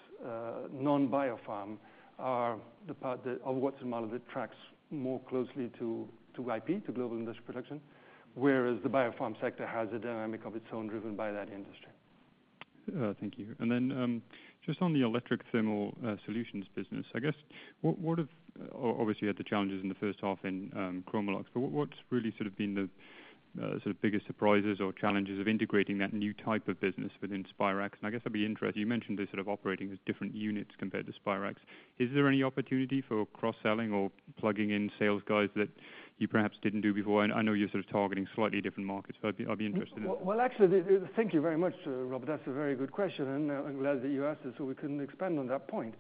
non-biopharm, are the part of Watson-Marlow that tracks more closely to IP, to global industrial production, whereas the biopharm sector has a dynamic of its own, driven by that industry. Thank you. And then, just on the Electric Thermal Solutions business, obviously, you had the challenges in the first half in Chromalox, but what's really sort of been the sort of biggest surprises or challenges of integrating that new type of business within Spirax? And I guess I'd be interested, you mentioned they're sort of operating as different units compared to Spirax. Is there any opportunity for cross-selling or plugging in sales guys that you perhaps didn't do before? I know you're sort of targeting slightly different markets, so I'd be interested in that. Well, actually, thank you very much, Robert. That's a very good question, and I'm glad that you asked it, so we can expand on that point.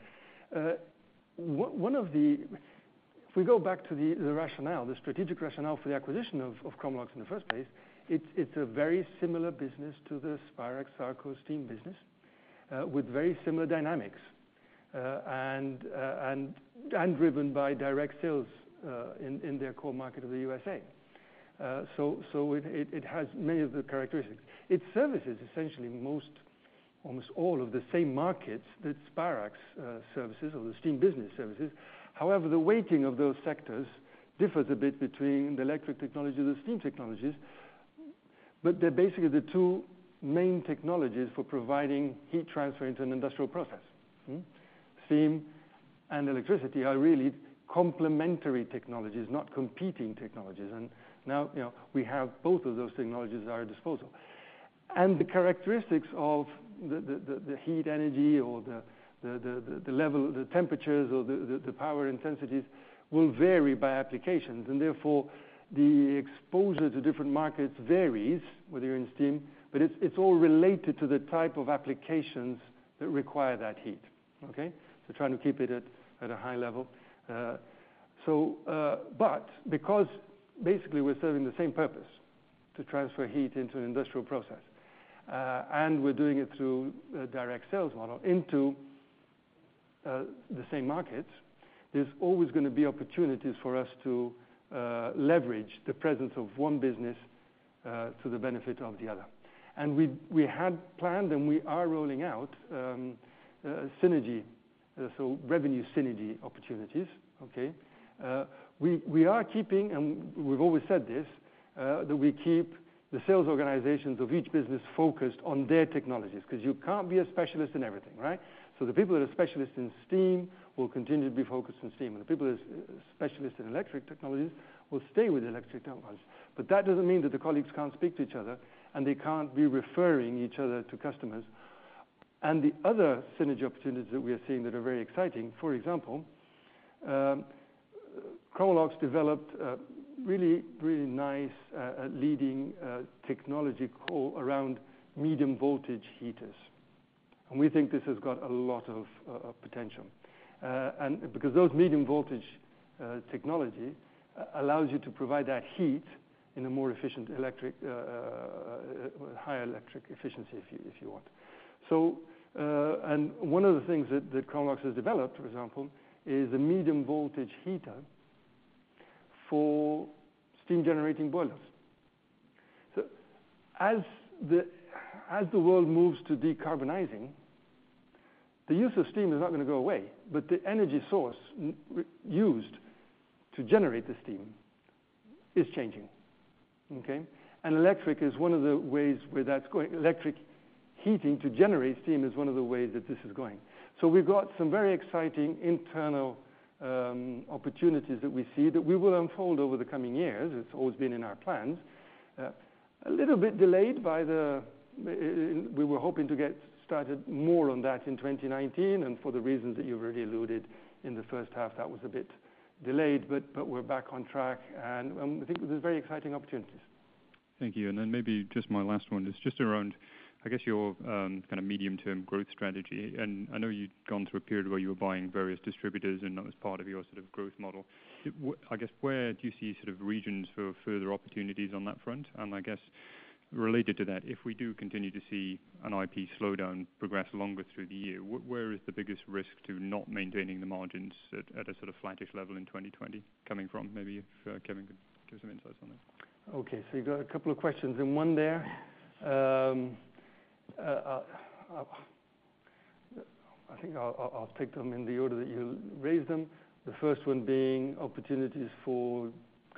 If we go back to the rationale, the strategic rationale for the acquisition of Chromalox in the first place, it's a very similar business to the Spirax Sarco steam business, with very similar dynamics, and driven by direct sales, in their core market of the USA. So it has many of the characteristics. It services essentially most, almost all of the same markets that Spirax services or the steam business services. However, the weighting of those sectors differs a bit between the electric technology and the steam technologies, but they're basically the two main technologies for providing heat transfer into an industrial process. Steam and electricity are really complementary technologies, not competing technologies, and now, you know, we have both of those technologies at our disposal, and the characteristics of the heat energy or the level, the temperatures, or the power intensities will vary by applications, and therefore, the exposure to different markets varies, whether you're in steam, but it's all related to the type of applications that require that heat, okay, so trying to keep it at a high level. So, but because basically we're serving the same purpose, to transfer heat into an industrial process, and we're doing it through a direct sales model into the same markets, there's always going to be opportunities for us to leverage the presence of one business to the benefit of the other. And we had planned, and we are rolling out synergy, so revenue synergy opportunities, okay? We are keeping, and we've always said this, that we keep the sales organizations of each business focused on their technologies, because you can't be a specialist in everything, right? The people that are specialists in steam will continue to be focused on steam, and the people that are specialists in electric technologies will stay with electric technologies. But that doesn't mean that the colleagues can't speak to each other, and they can't be referring each other to customers. And the other synergy opportunities that we are seeing that are very exciting, for example, Chromalox developed a really, really nice leading technology called around medium voltage heaters, and we think this has got a lot of potential. And because those medium voltage technology allows you to provide that heat in a more efficient electric higher electric efficiency, if you want. So, and one of the things that Chromalox has developed, for example, is a medium voltage heater for steam generating boilers. So as the world moves to decarbonizing, the use of steam is not gonna go away, but the energy source used to generate the steam is changing, okay? Electric is one of the ways where that's going. Electric heating to generate steam is one of the ways that this is going. So we've got some very exciting internal opportunities that we see that we will unfold over the coming years. It's always been in our plans. A little bit delayed by the. We were hoping to get started more on that in 2019, and for the reasons that you've already alluded in the first half, that was a bit delayed, but, but we're back on track, and, I think these are very exciting opportunities. Thank you. And then maybe just my last one is just around, I guess your, kind of medium-term growth strategy. And I know you've gone through a period where you were buying various distributors, and that was part of your sort of growth model. I guess, where do you see sort of regions for further opportunities on that front? And I guess, related to that, if we do continue to see an IP slowdown progress longer through the year, where is the biggest risk to not maintaining the margins at, at a sort of flattish level in 2020 coming from? Maybe if, Kevin could give some insights on that. Okay, so you've got a couple of questions, and one there. I think I'll take them in the order that you raised them. The first one being opportunities for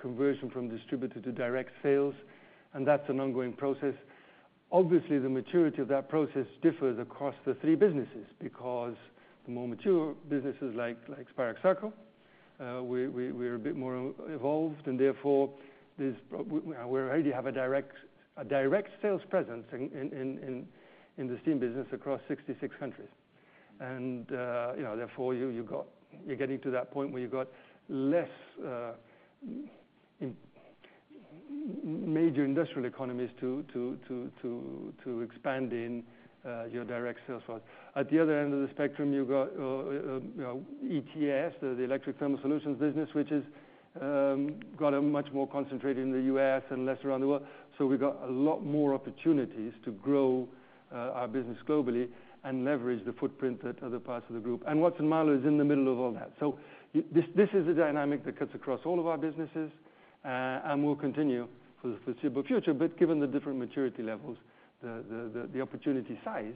conversion from distributor to direct sales, and that's an ongoing process. Obviously, the maturity of that process differs across the three businesses, because the more mature businesses like Spirax Sarco, we're a bit more evolved, and therefore, there's. We already have a direct sales presence in the steam business across sixty-six countries. And, you know, therefore, you're getting to that point where you've got less major industrial economies to expand in your direct sales force. At the other end of the spectrum, you've got ETS, the Electric Thermal Solutions business, which is got a much more concentrated in the U.S. and less around the world. So we've got a lot more opportunities to grow our business globally and leverage the footprint at other parts of the group. And Watson-Marlow is in the middle of all that. So this is a dynamic that cuts across all of our businesses and will continue for the foreseeable future. But given the different maturity levels, the opportunity size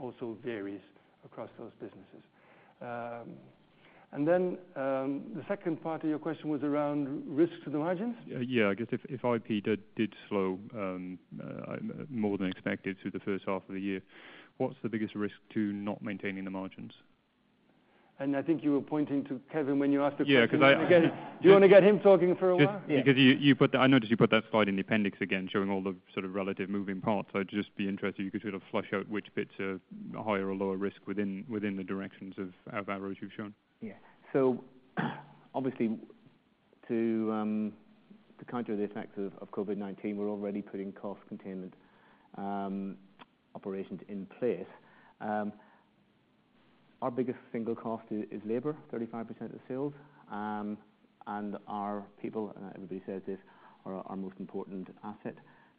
also varies across those businesses. And then, the second part of your question was around risk to the margins? Yeah, I guess if IP did slow more than expected through the first half of the year, what's the biggest risk to not maintaining the margins? I think you were pointing to Kevin when you asked the question. Just because you put that slide in the appendix again, showing all the sort of relative moving parts. So I'd just be interested if you could sort of flesh out which bits are higher or lower risk within the directions of arrows you've shown. Do you want to get him talking for a whileJust because you put that slide in the appendix again, showing all the sort of relative moving parts. So I'd just be interested if you could sort of flesh out which bits are higher or lower risk within the directions of arrows you've shown. Yeah. So obviously, to counter the effects of COVID-19, we're already putting cost containment operations in place. Our biggest single cost is labor, 35% of sales. And our people, and everybody says this, are our most important asset.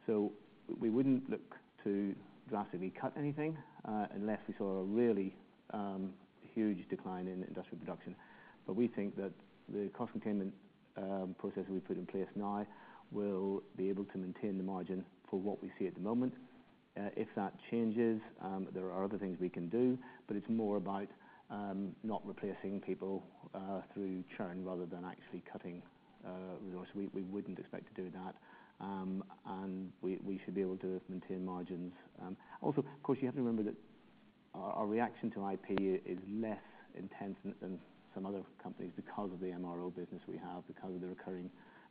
So we wouldn't look to drastically cut anything, unless we saw a really huge decline in industrial production. But we think that the cost containment process we've put in place now will be able to maintain the margin for what we see at the moment. If that changes, there are other things we can do, but it's more about not replacing people through churn rather than actually cutting resource. We wouldn't expect to do that, and we should be able to maintain margins. Also, of course, you have to remember that our reaction to IP is less intense than some other companies because of the MRO business we have, because of the recurring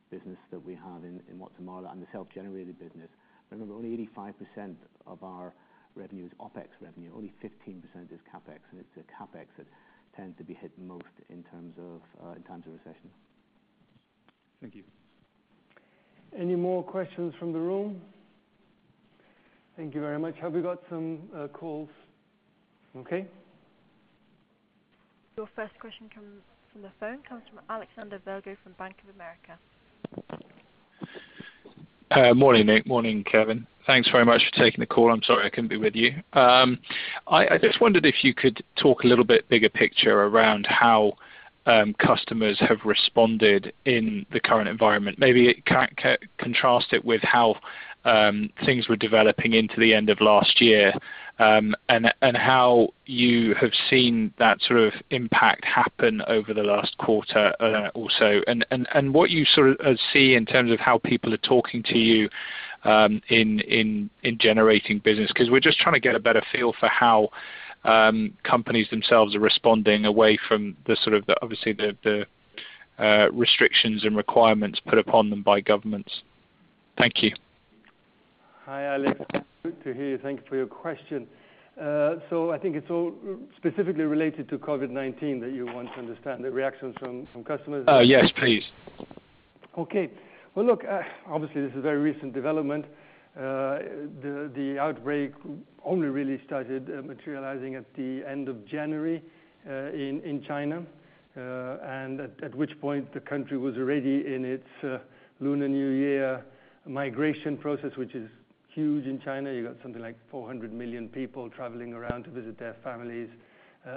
business that we have in Watson-Marlow and the self-generated business. Remember, only 85% of our revenue is OpEx revenue, only 15% is CapEx, and it's the CapEx that tends to be hit most in terms of recession. Thank you. Any more questions from the room? Thank you very much. Have we got some calls? Okay. Your first question comes from the phone, comes from Alexander Virgo from Bank of America. Morning, Nick. Morning, Kevin. Thanks very much for taking the call. I'm sorry I couldn't be with you. I just wondered if you could talk a little bit bigger picture around how customers have responded in the current environment. Maybe contrast it with how things were developing into the end of last year, and how you have seen that sort of impact happen over the last quarter, also, and what you sort of see in terms of how people are talking to you, in generating business. Because we're just trying to get a better feel for how companies themselves are responding away from the sort of, obviously, the restrictions and requirements put upon them by governments. Thank you. Hi, Alex. Good to hear you. Thank you for your question. So, I think it's all specifically related to COVID-19 that you want to understand the reactions from customers? Yes, please. Okay. Well, look, obviously, this is a very recent development. The outbreak only really started materializing at the end of January in China. And at which point, the country was already in its Lunar New Year migration process, which is huge in China. You got something like 400 million people traveling around to visit their families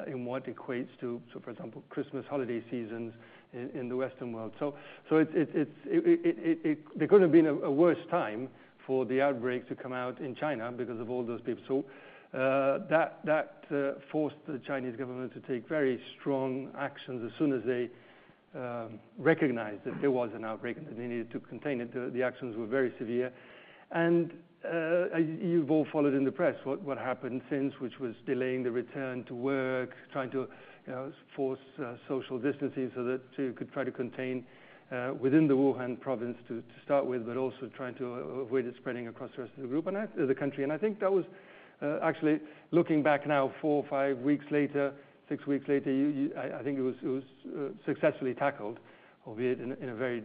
in what equates to, so for example, Christmas holiday seasons in the Western world. So, it is. There could have been a worse time for the outbreak to come out in China because of all those people. So, that forced the Chinese government to take very strong actions as soon as they recognized that there was an outbreak, and that they needed to contain it. The actions were very severe. You've all followed in the press what happened since, which was delaying the return to work, trying to, you know, force social distancing so that you could try to contain within the Wuhan province to start with, but also trying to avoid it spreading across the rest of the group and the country. I think that was actually, looking back now, four or five weeks later, six weeks later, I think it was successfully tackled, albeit in a very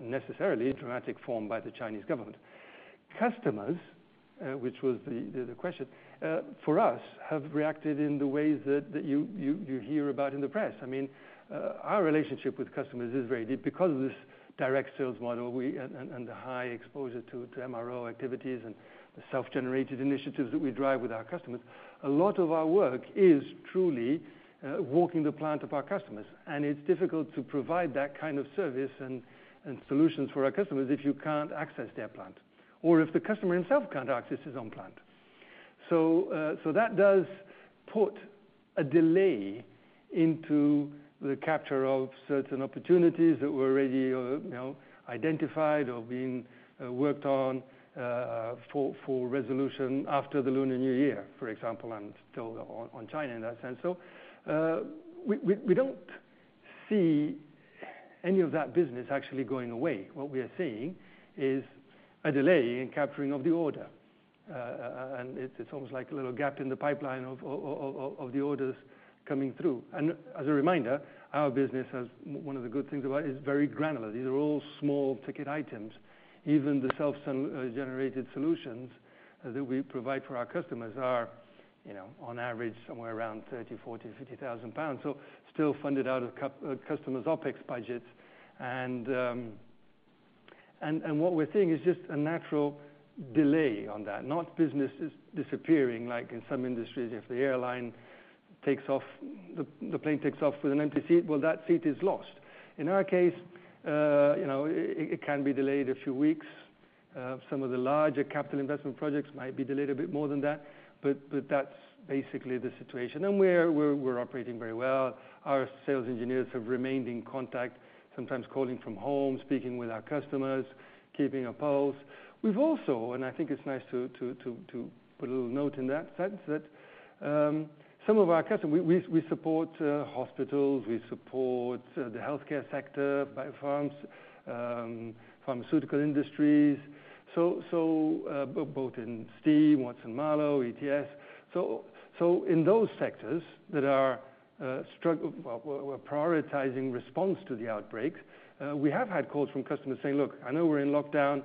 necessarily dramatic form by the Chinese government. Customers, which was the question for us, have reacted in the ways that you hear about in the press. I mean, our relationship with customers is very deep. Because of this direct sales model, we and the high exposure to MRO activities and the self-generated initiatives that we drive with our customers, a lot of our work is truly walking the plant of our customers. It's difficult to provide that kind of service and solutions for our customers if you can't access their plant or if the customer himself can't access his own plant. That does put a delay into the capture of certain opportunities that were already, you know, identified or being worked on for resolution after the Lunar New Year, for example, and still on China, in that sense. We don't see any of that business actually going away. What we are seeing is a delay in capturing of the order. And it's almost like a little gap in the pipeline of the orders coming through. And as a reminder, our business has one of the good things about it is very granular. These are all small ticket items. Even the self-generated solutions that we provide for our customers are, you know, on average, somewhere around 30,000, 40,000, 50,000 pounds, so still funded out of customers' OpEx budgets. And what we're seeing is just a natural delay on that, not businesses disappearing, like in some industries, if the plane takes off with an empty seat, well, that seat is lost. In our case, you know, it can be delayed a few weeks. Some of the larger capital investment projects might be delayed a bit more than that, but that's basically the situation, and we're operating very well. Our sales engineers have remained in contact, sometimes calling from home, speaking with our customers, keeping a pulse. We've also, and I think it's nice to put a little note in that sense, that some of our customers. We support hospitals, we support the healthcare sector, biopharms, pharmaceutical industries, so both in Steam, Watson-Marlow, ETS. So in those sectors that are struggling, were prioritizing response to the outbreaks, we have had calls from customers saying, "Look, I know we're in lockdown.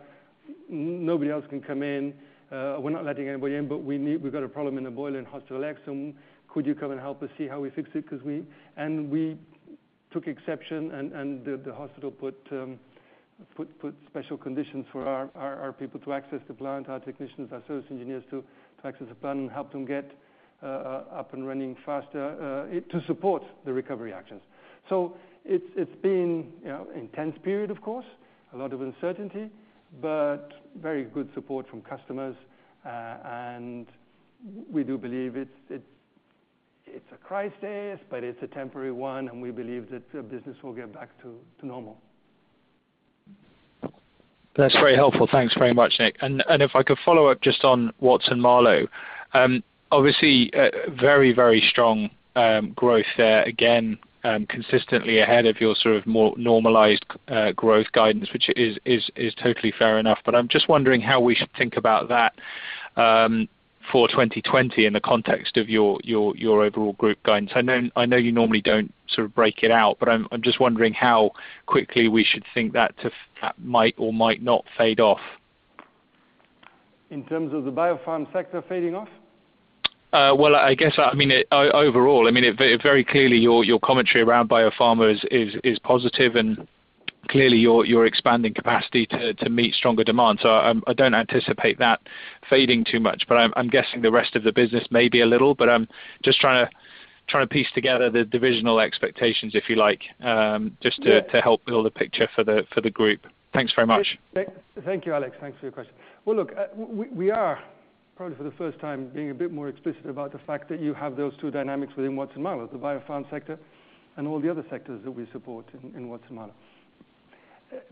Nobody else can come in. We're not letting anybody in, but we need. We've got a problem in the boiler in hospital X, so could you come and help us see how we fix it, because we. And we took exception, and the hospital put special conditions for our people to access the plant, our technicians, our service engineers, to access the plant and help them get up and running faster to support the recovery actions. So it's been, you know, intense period, of course, a lot of uncertainty, but very good support from customers, and we do believe it's a crisis, but it's a temporary one, and we believe that the business will get back to normal. That's very helpful. Thanks very much, Nick. And if I could follow up just on Watson-Marlow. Obviously, a very, very strong growth there, again, consistently ahead of your sort of more normalized growth guidance, which is totally fair enough. But I'm just wondering how we should think about that, for 2020 in the context of your overall group guidance. I know you normally don't sort of break it out, but I'm just wondering how quickly we should think that might or might not fade off. In terms of the biopharm sector fading off? Well, I guess, I mean, overall, I mean, it very, very clearly, your commentary around biopharma is positive, and clearly, you're expanding capacity to meet stronger demand. So I don't anticipate that fading too much, but I'm guessing the rest of the business may be a little, but I'm just trying to piece together the divisional expectations, if you like, just to help build a picture for the, for the group. Thanks very much. Thank you, Alex. Thanks for your question. Well, look, we are probably for the first time being a bit more explicit about the fact that you have those two dynamics within Watson-Marlow, the biopharm sector and all the other sectors that we support in Watson-Marlow.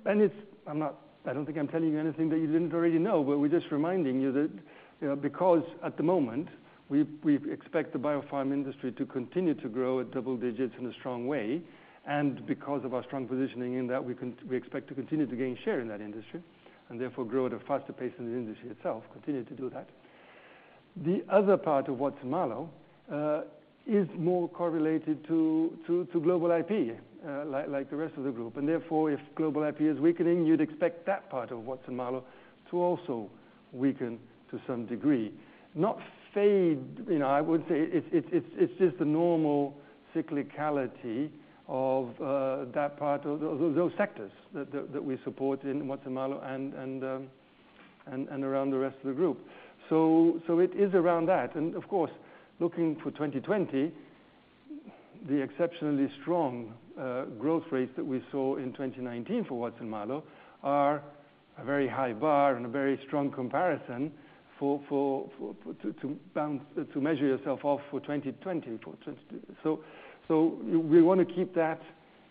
And it's. I'm not, I don't think I'm telling you anything that you didn't already know, but we're just reminding you that, you know, because at the moment, we expect the biopharm industry to continue to grow at double digits in a strong way. And because of our strong positioning in that, we expect to continue to gain share in that industry, and therefore, grow at a faster pace than the industry itself, continue to do that. The other part of Watson-Marlow is more correlated to global IP, like the rest of the group. And therefore, if global IP is weakening, you'd expect that part of Watson-Marlow to also weaken to some degree. Not fade, you know, I would say it's just the normal cyclicality of that part of those sectors that we support in Watson-Marlow and around the rest of the group. So it is around that. Of course, looking for 2020, the exceptionally strong growth rates that we saw in 2019 for Watson-Marlow are a very high bar and a very strong comparison for to measure yourself off for 2020, for 2020. So we want to keep that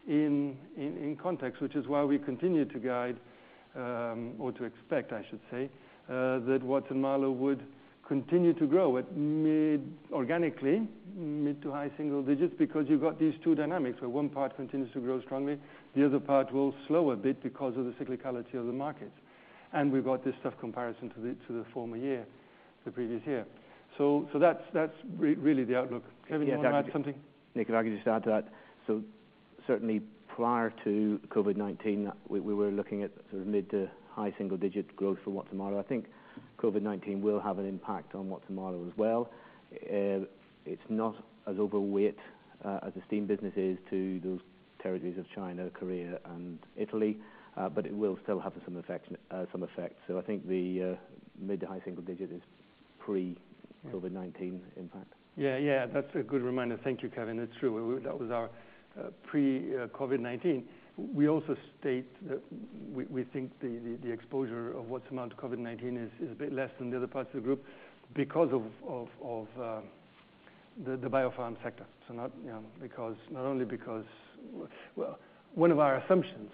in context, which is why we continue to guide or to expect, I should say, that Watson-Marlow would continue to grow at mid, organically, mid to high single digits, because you've got these two dynamics, where one part continues to grow strongly, the other part will slow a bit because of the cyclicality of the markets. And we've got this tough comparison to the former year, the previous year. So that's really the outlook. Kevin, you want to add something? Nick, if I could just add to that, so certainly prior to COVID-19, we were looking at sort of mid to high single digit growth for Watson-Marlow. I think COVID-19 will have an impact on Watson-Marlow as well. It's not as overweight as the steam business is to those territories of China, Korea, and Italy, but it will still have some effect, some effect, so I think the mid to high single digit is pre-COVID-19 impact. Yeah, yeah, that's a good reminder. Thank you, Kevin. It's true. That was our pre COVID-19. We also state that we think the exposure of Watson-Marlow to COVID-19 is a bit less than the other parts of the group because of the biopharm sector. So not, you know, because not only because, well, one of our assumptions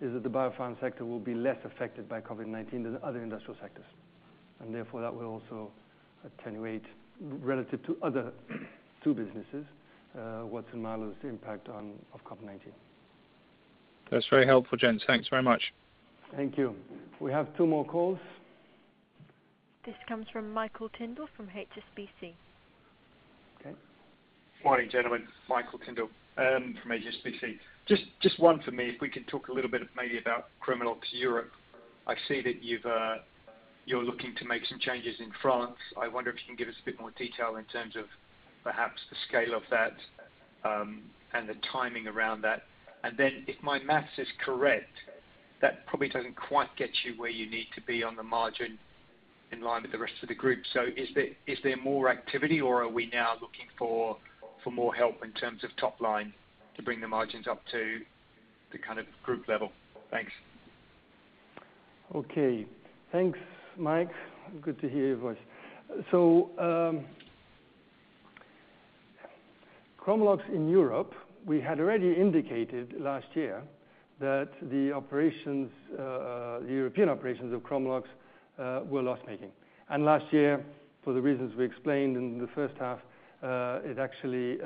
is that the biopharm sector will be less affected by COVID-19 than other industrial sectors, and therefore, that will also attenuate relative to other two businesses, Watson-Marlow's impact of COVID-19. That's very helpful, gents. Thanks very much. Thank you. We have two more calls. This comes from Michael Tindall, from HSBC. Morning, gentlemen, Michael Tindall from HSBC. Just one for me. If we can talk a little bit maybe about Chromalox Europe. I see that you've you're looking to make some changes in France. I wonder if you can give us a bit more detail in terms of perhaps the scale of that and the timing around that. And then, if my math is correct, that probably doesn't quite get you where you need to be on the margin in line with the rest of the group. So is there more activity, or are we now looking for more help in terms of top line to bring the margins up to the kind of group level? Thanks. Okay. Thanks, Mike. Good to hear your voice. So, Chromalox in Europe, we had already indicated last year that the operations, the European operations of Chromalox, were loss-making. And last year, for the reasons we explained in the first half, it actually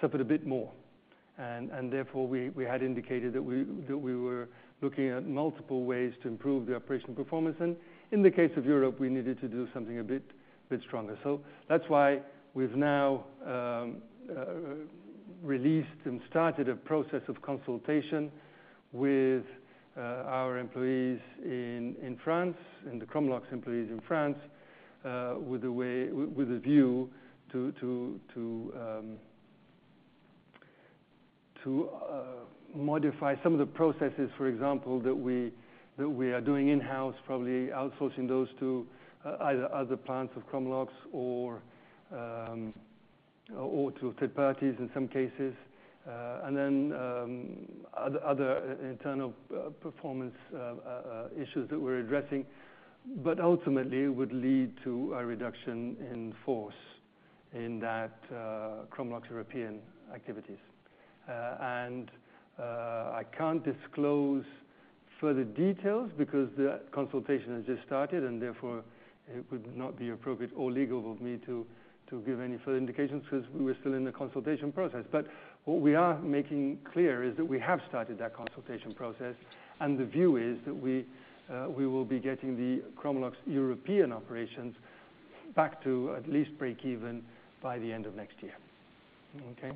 suffered a bit more. And therefore, we had indicated that we were looking at multiple ways to improve the operational performance. And in the case of Europe, we needed to do something a bit stronger. So that's why we've now released and started a process of consultation with our employees in France, and the Chromalox employees in France, with a view to modify some of the processes, for example, that we are doing in-house, probably outsourcing those to either other plants of Chromalox or to third parties in some cases, and then other internal performance issues that we're addressing, but ultimately would lead to a reduction in force in that Chromalox European activities. And I can't disclose further details because the consultation has just started, and therefore, it would not be appropriate or legal of me to give any further indications because we're still in the consultation process. But what we are making clear is that we have started that consultation process, and the view is that we will be getting the Chromalox European operations back to at least breakeven by the end of next year. Okay?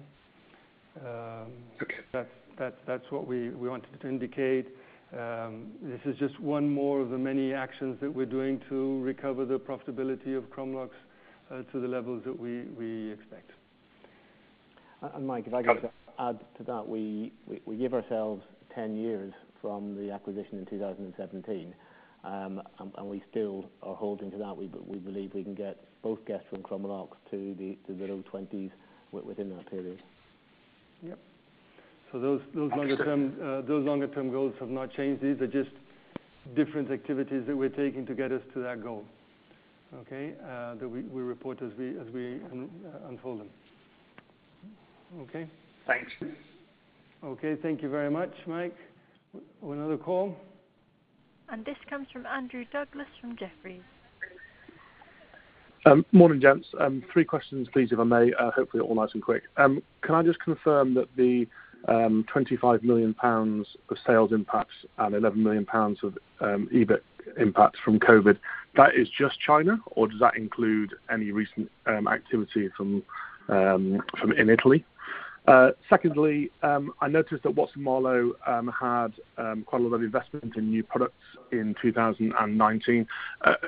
Okay. That's what we wanted to indicate. This is just one more of the many actions that we're doing to recover the profitability of Chromalox to the levels that we expect. Mike, if I could just add to that, we give ourselves ten years from the acquisition in 2017, and we still are holding to that. We believe we can get both Gestra and Chromalox to the low twenties within that period. Yep. So those longer term goals have not changed. These are just different activities that we're taking to get us to that goal, okay? That we report as we unfold them. Okay? Thanks. Okay. Thank you very much, Mike. Another call? This comes from Andrew Douglas, from Jefferies. Morning, gents. Three questions, please, if I may, hopefully all nice and quick. Can I just confirm that the 25 million pounds of sales impacts and 11 million pounds of EBIT impacts from COVID, that is just China? Or does that include any recent activity from Italy? Secondly, I noticed that Watson-Marlow had quite a lot of investment in new products in 2019.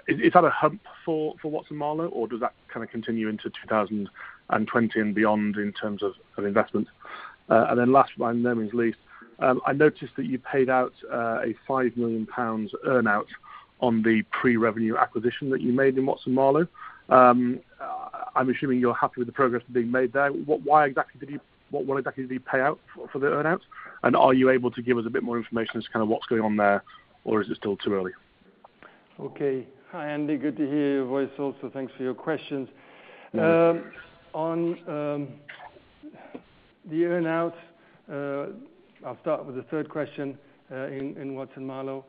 Is that a hump for Watson-Marlow, or does that kind of continue into 2020 and beyond in terms of investment? And then last but by no means least, I noticed that you paid out a 5 million pounds earn-out on the pre-revenue acquisition that you made in Watson-Marlow. I'm assuming you're happy with the progress being made there. What, why exactly did you pay out for the earn-out? And are you able to give us a bit more information as to kind of what's going on there, or is it still too early? Okay. Hi, Andy, good to hear your voice also. Thanks for your questions. On the earn-out, I'll start with the third question in Watson-Marlow.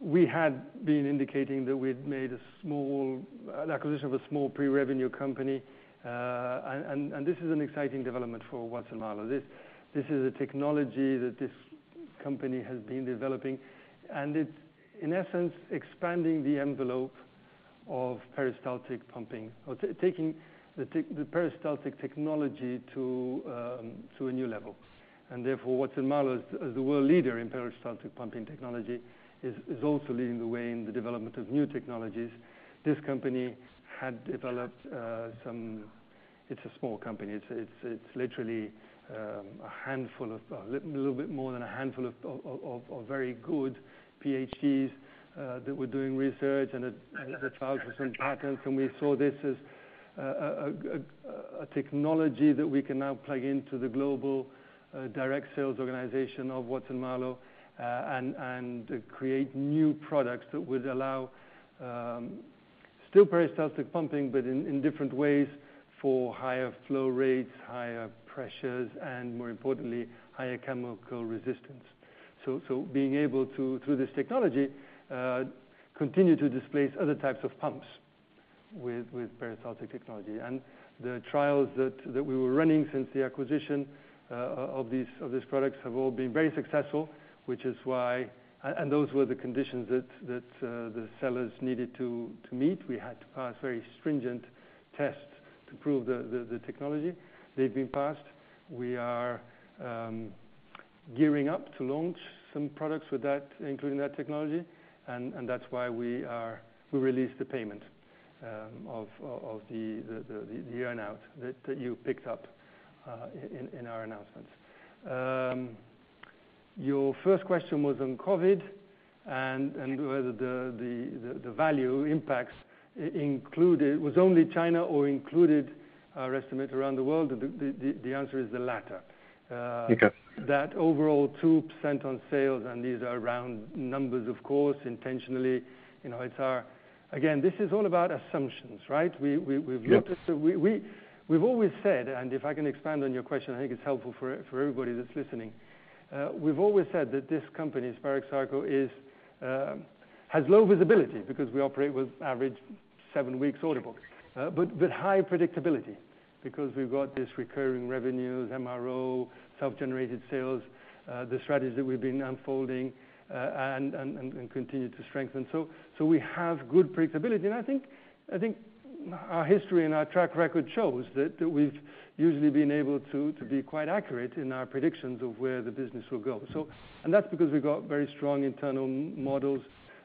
We had been indicating that we'd made a small acquisition of a small pre-revenue company. And this is an exciting development for Watson-Marlow. This is a technology that this company has been developing, and it's, in essence, expanding the envelope of peristaltic pumping or taking the peristaltic technology to a new level. Therefore, Watson-Marlow as the world leader in peristaltic pumping technology is also leading the way in the development of new technologies. This company had developed some. It's a small company. It's literally a handful, a little bit more than a handful of very good PhDs that were doing research and had filed for some patents. And we saw this as a technology that we can now plug into the global direct sales organization of Watson-Marlow, and create new products that would allow still peristaltic pumping, but in different ways for higher flow rates, higher pressures, and more importantly, higher chemical resistance. So being able to through this technology continue to displace other types of pumps with peristaltic technology. And the trials that we were running since the acquisition of these products have all been very successful, which is why and those were the conditions that the sellers needed to meet. We had to pass very stringent tests to prove the technology. They've been passed. We are gearing up to launch some products with that, including that technology, and that's why we released the payment of the earn-out that you picked up in our announcements. Your first question was on COVID and whether the value impacts included was only China or included our estimate around the world. The answer is the latter. That overall 2% on sales, and these are round numbers, of course, intentionally. Again, this is all about assumptions, right? We've always said, and if I can expand on your question, I think it's helpful for everybody that's listening. We've always said that this company, Spirax Sarco, has low visibility because we operate with average seven weeks order books. But high predictability because we've got this recurring revenues, MRO, self-generated sales, the strategies that we've been unfolding, and continue to strengthen. So we have good predictability, and I think our history and our track record shows that we've usually been able to be quite accurate in our predictions of where the business will go. And that's because we've got very strong internal models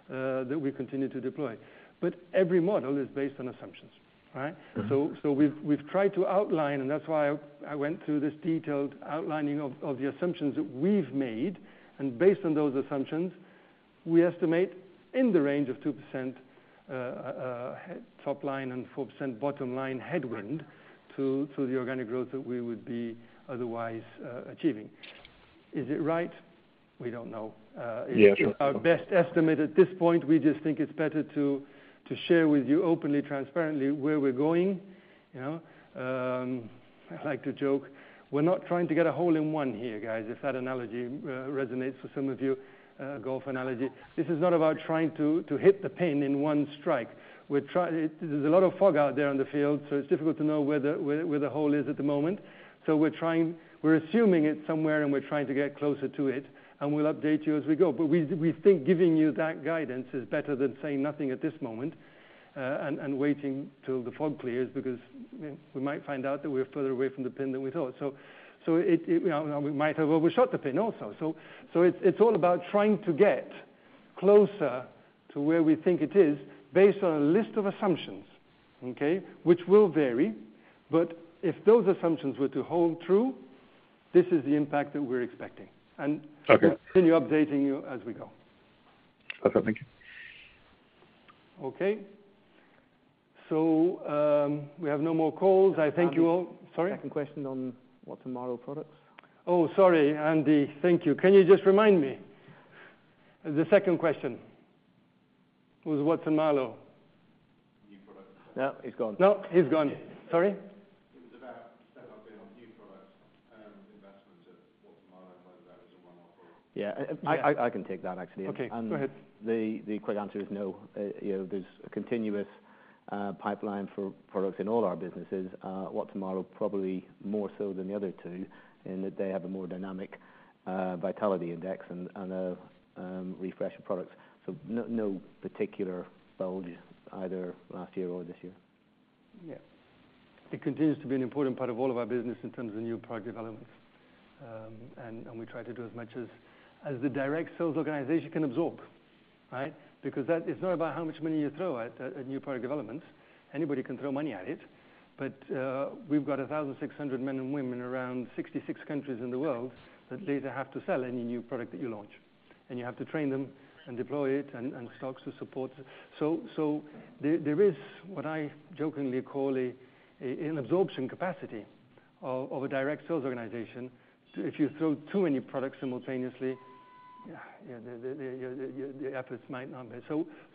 that we continue to deploy. But every model is based on assumptions, right? So we've tried to outline, and that's why I went through this detailed outlining of the assumptions that we've made, and based on those assumptions, we estimate in the range of 2% top line and 4% bottom line headwind to the organic growth that we would be otherwise achieving. Is it right? We don't know. It's our best estimate. At this point, we just think it's better to share with you openly, transparently, where we're going, you know? I like to joke, we're not trying to get a hole in one here, guys, if that analogy resonates with some of you, golf analogy. This is not about trying to hit the pin in one strike. There's a lot of fog out there on the field, so it's difficult to know where the hole is at the moment. So we're trying. We're assuming it's somewhere, and we're trying to get closer to it, and we'll update you as we go. But we think giving you that guidance is better than saying nothing at this moment, and waiting till the fog clears, because we might find out that we're further away from the pin than we thought. So it, you know, we might have overshot the pin also. So it's all about trying to get closer to where we think it is, based on a list of assumptions, okay? Which will vary, but if those assumptions were to hold true, this is the impact that we're expecting, and continue updating you as we go. Okay, thank you. Okay. So, we have no more calls. I thank you all. Sorry? Second question on Watson-Marlow products. Oh, sorry, Andy. Thank you. Can you just remind me? The second question was Watson-Marlow. New products. Yeah, he's gone. No, he's gone. Sorry? It was about follow-up on new products, investments at Watson-Marlow, whether that was a one-off or- Yeah, I can take that, actually. Okay, go ahead. The quick answer is no. You know, there's a continuous pipeline for products in all our businesses. Watson-Marlow, probably more so than the other two, in that they have a more dynamic vitality index and refresh products. So no, no particular bulge either last year or this year. Yeah. It continues to be an important part of all of our business in terms of new product developments. And we try to do as much as the direct sales organization can absorb, right? Because that, it's not about how much money you throw at a new product development. Anybody can throw money at it, but we've got 1,600 men and women around 66 countries in the world, that later have to sell any new product that you launch. And you have to train them and deploy it and stocks to support it. So there is what I jokingly call an absorption capacity of a direct sales organization. So if you throw too many products simultaneously, your efforts might not be.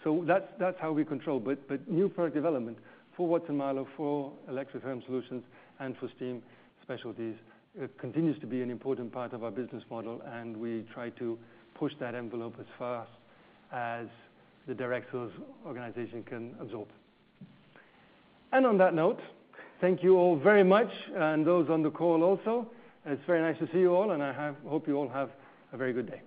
So that's how we control. But new product development for Watson-Marlow, for Electric Thermal Solutions, and for Steam Specialties, it continues to be an important part of our business model, and we try to push that envelope as far as the direct sales organization can absorb. And on that note, thank you all very much, and those on the call also. It's very nice to see you all, and hope you all have a very good day.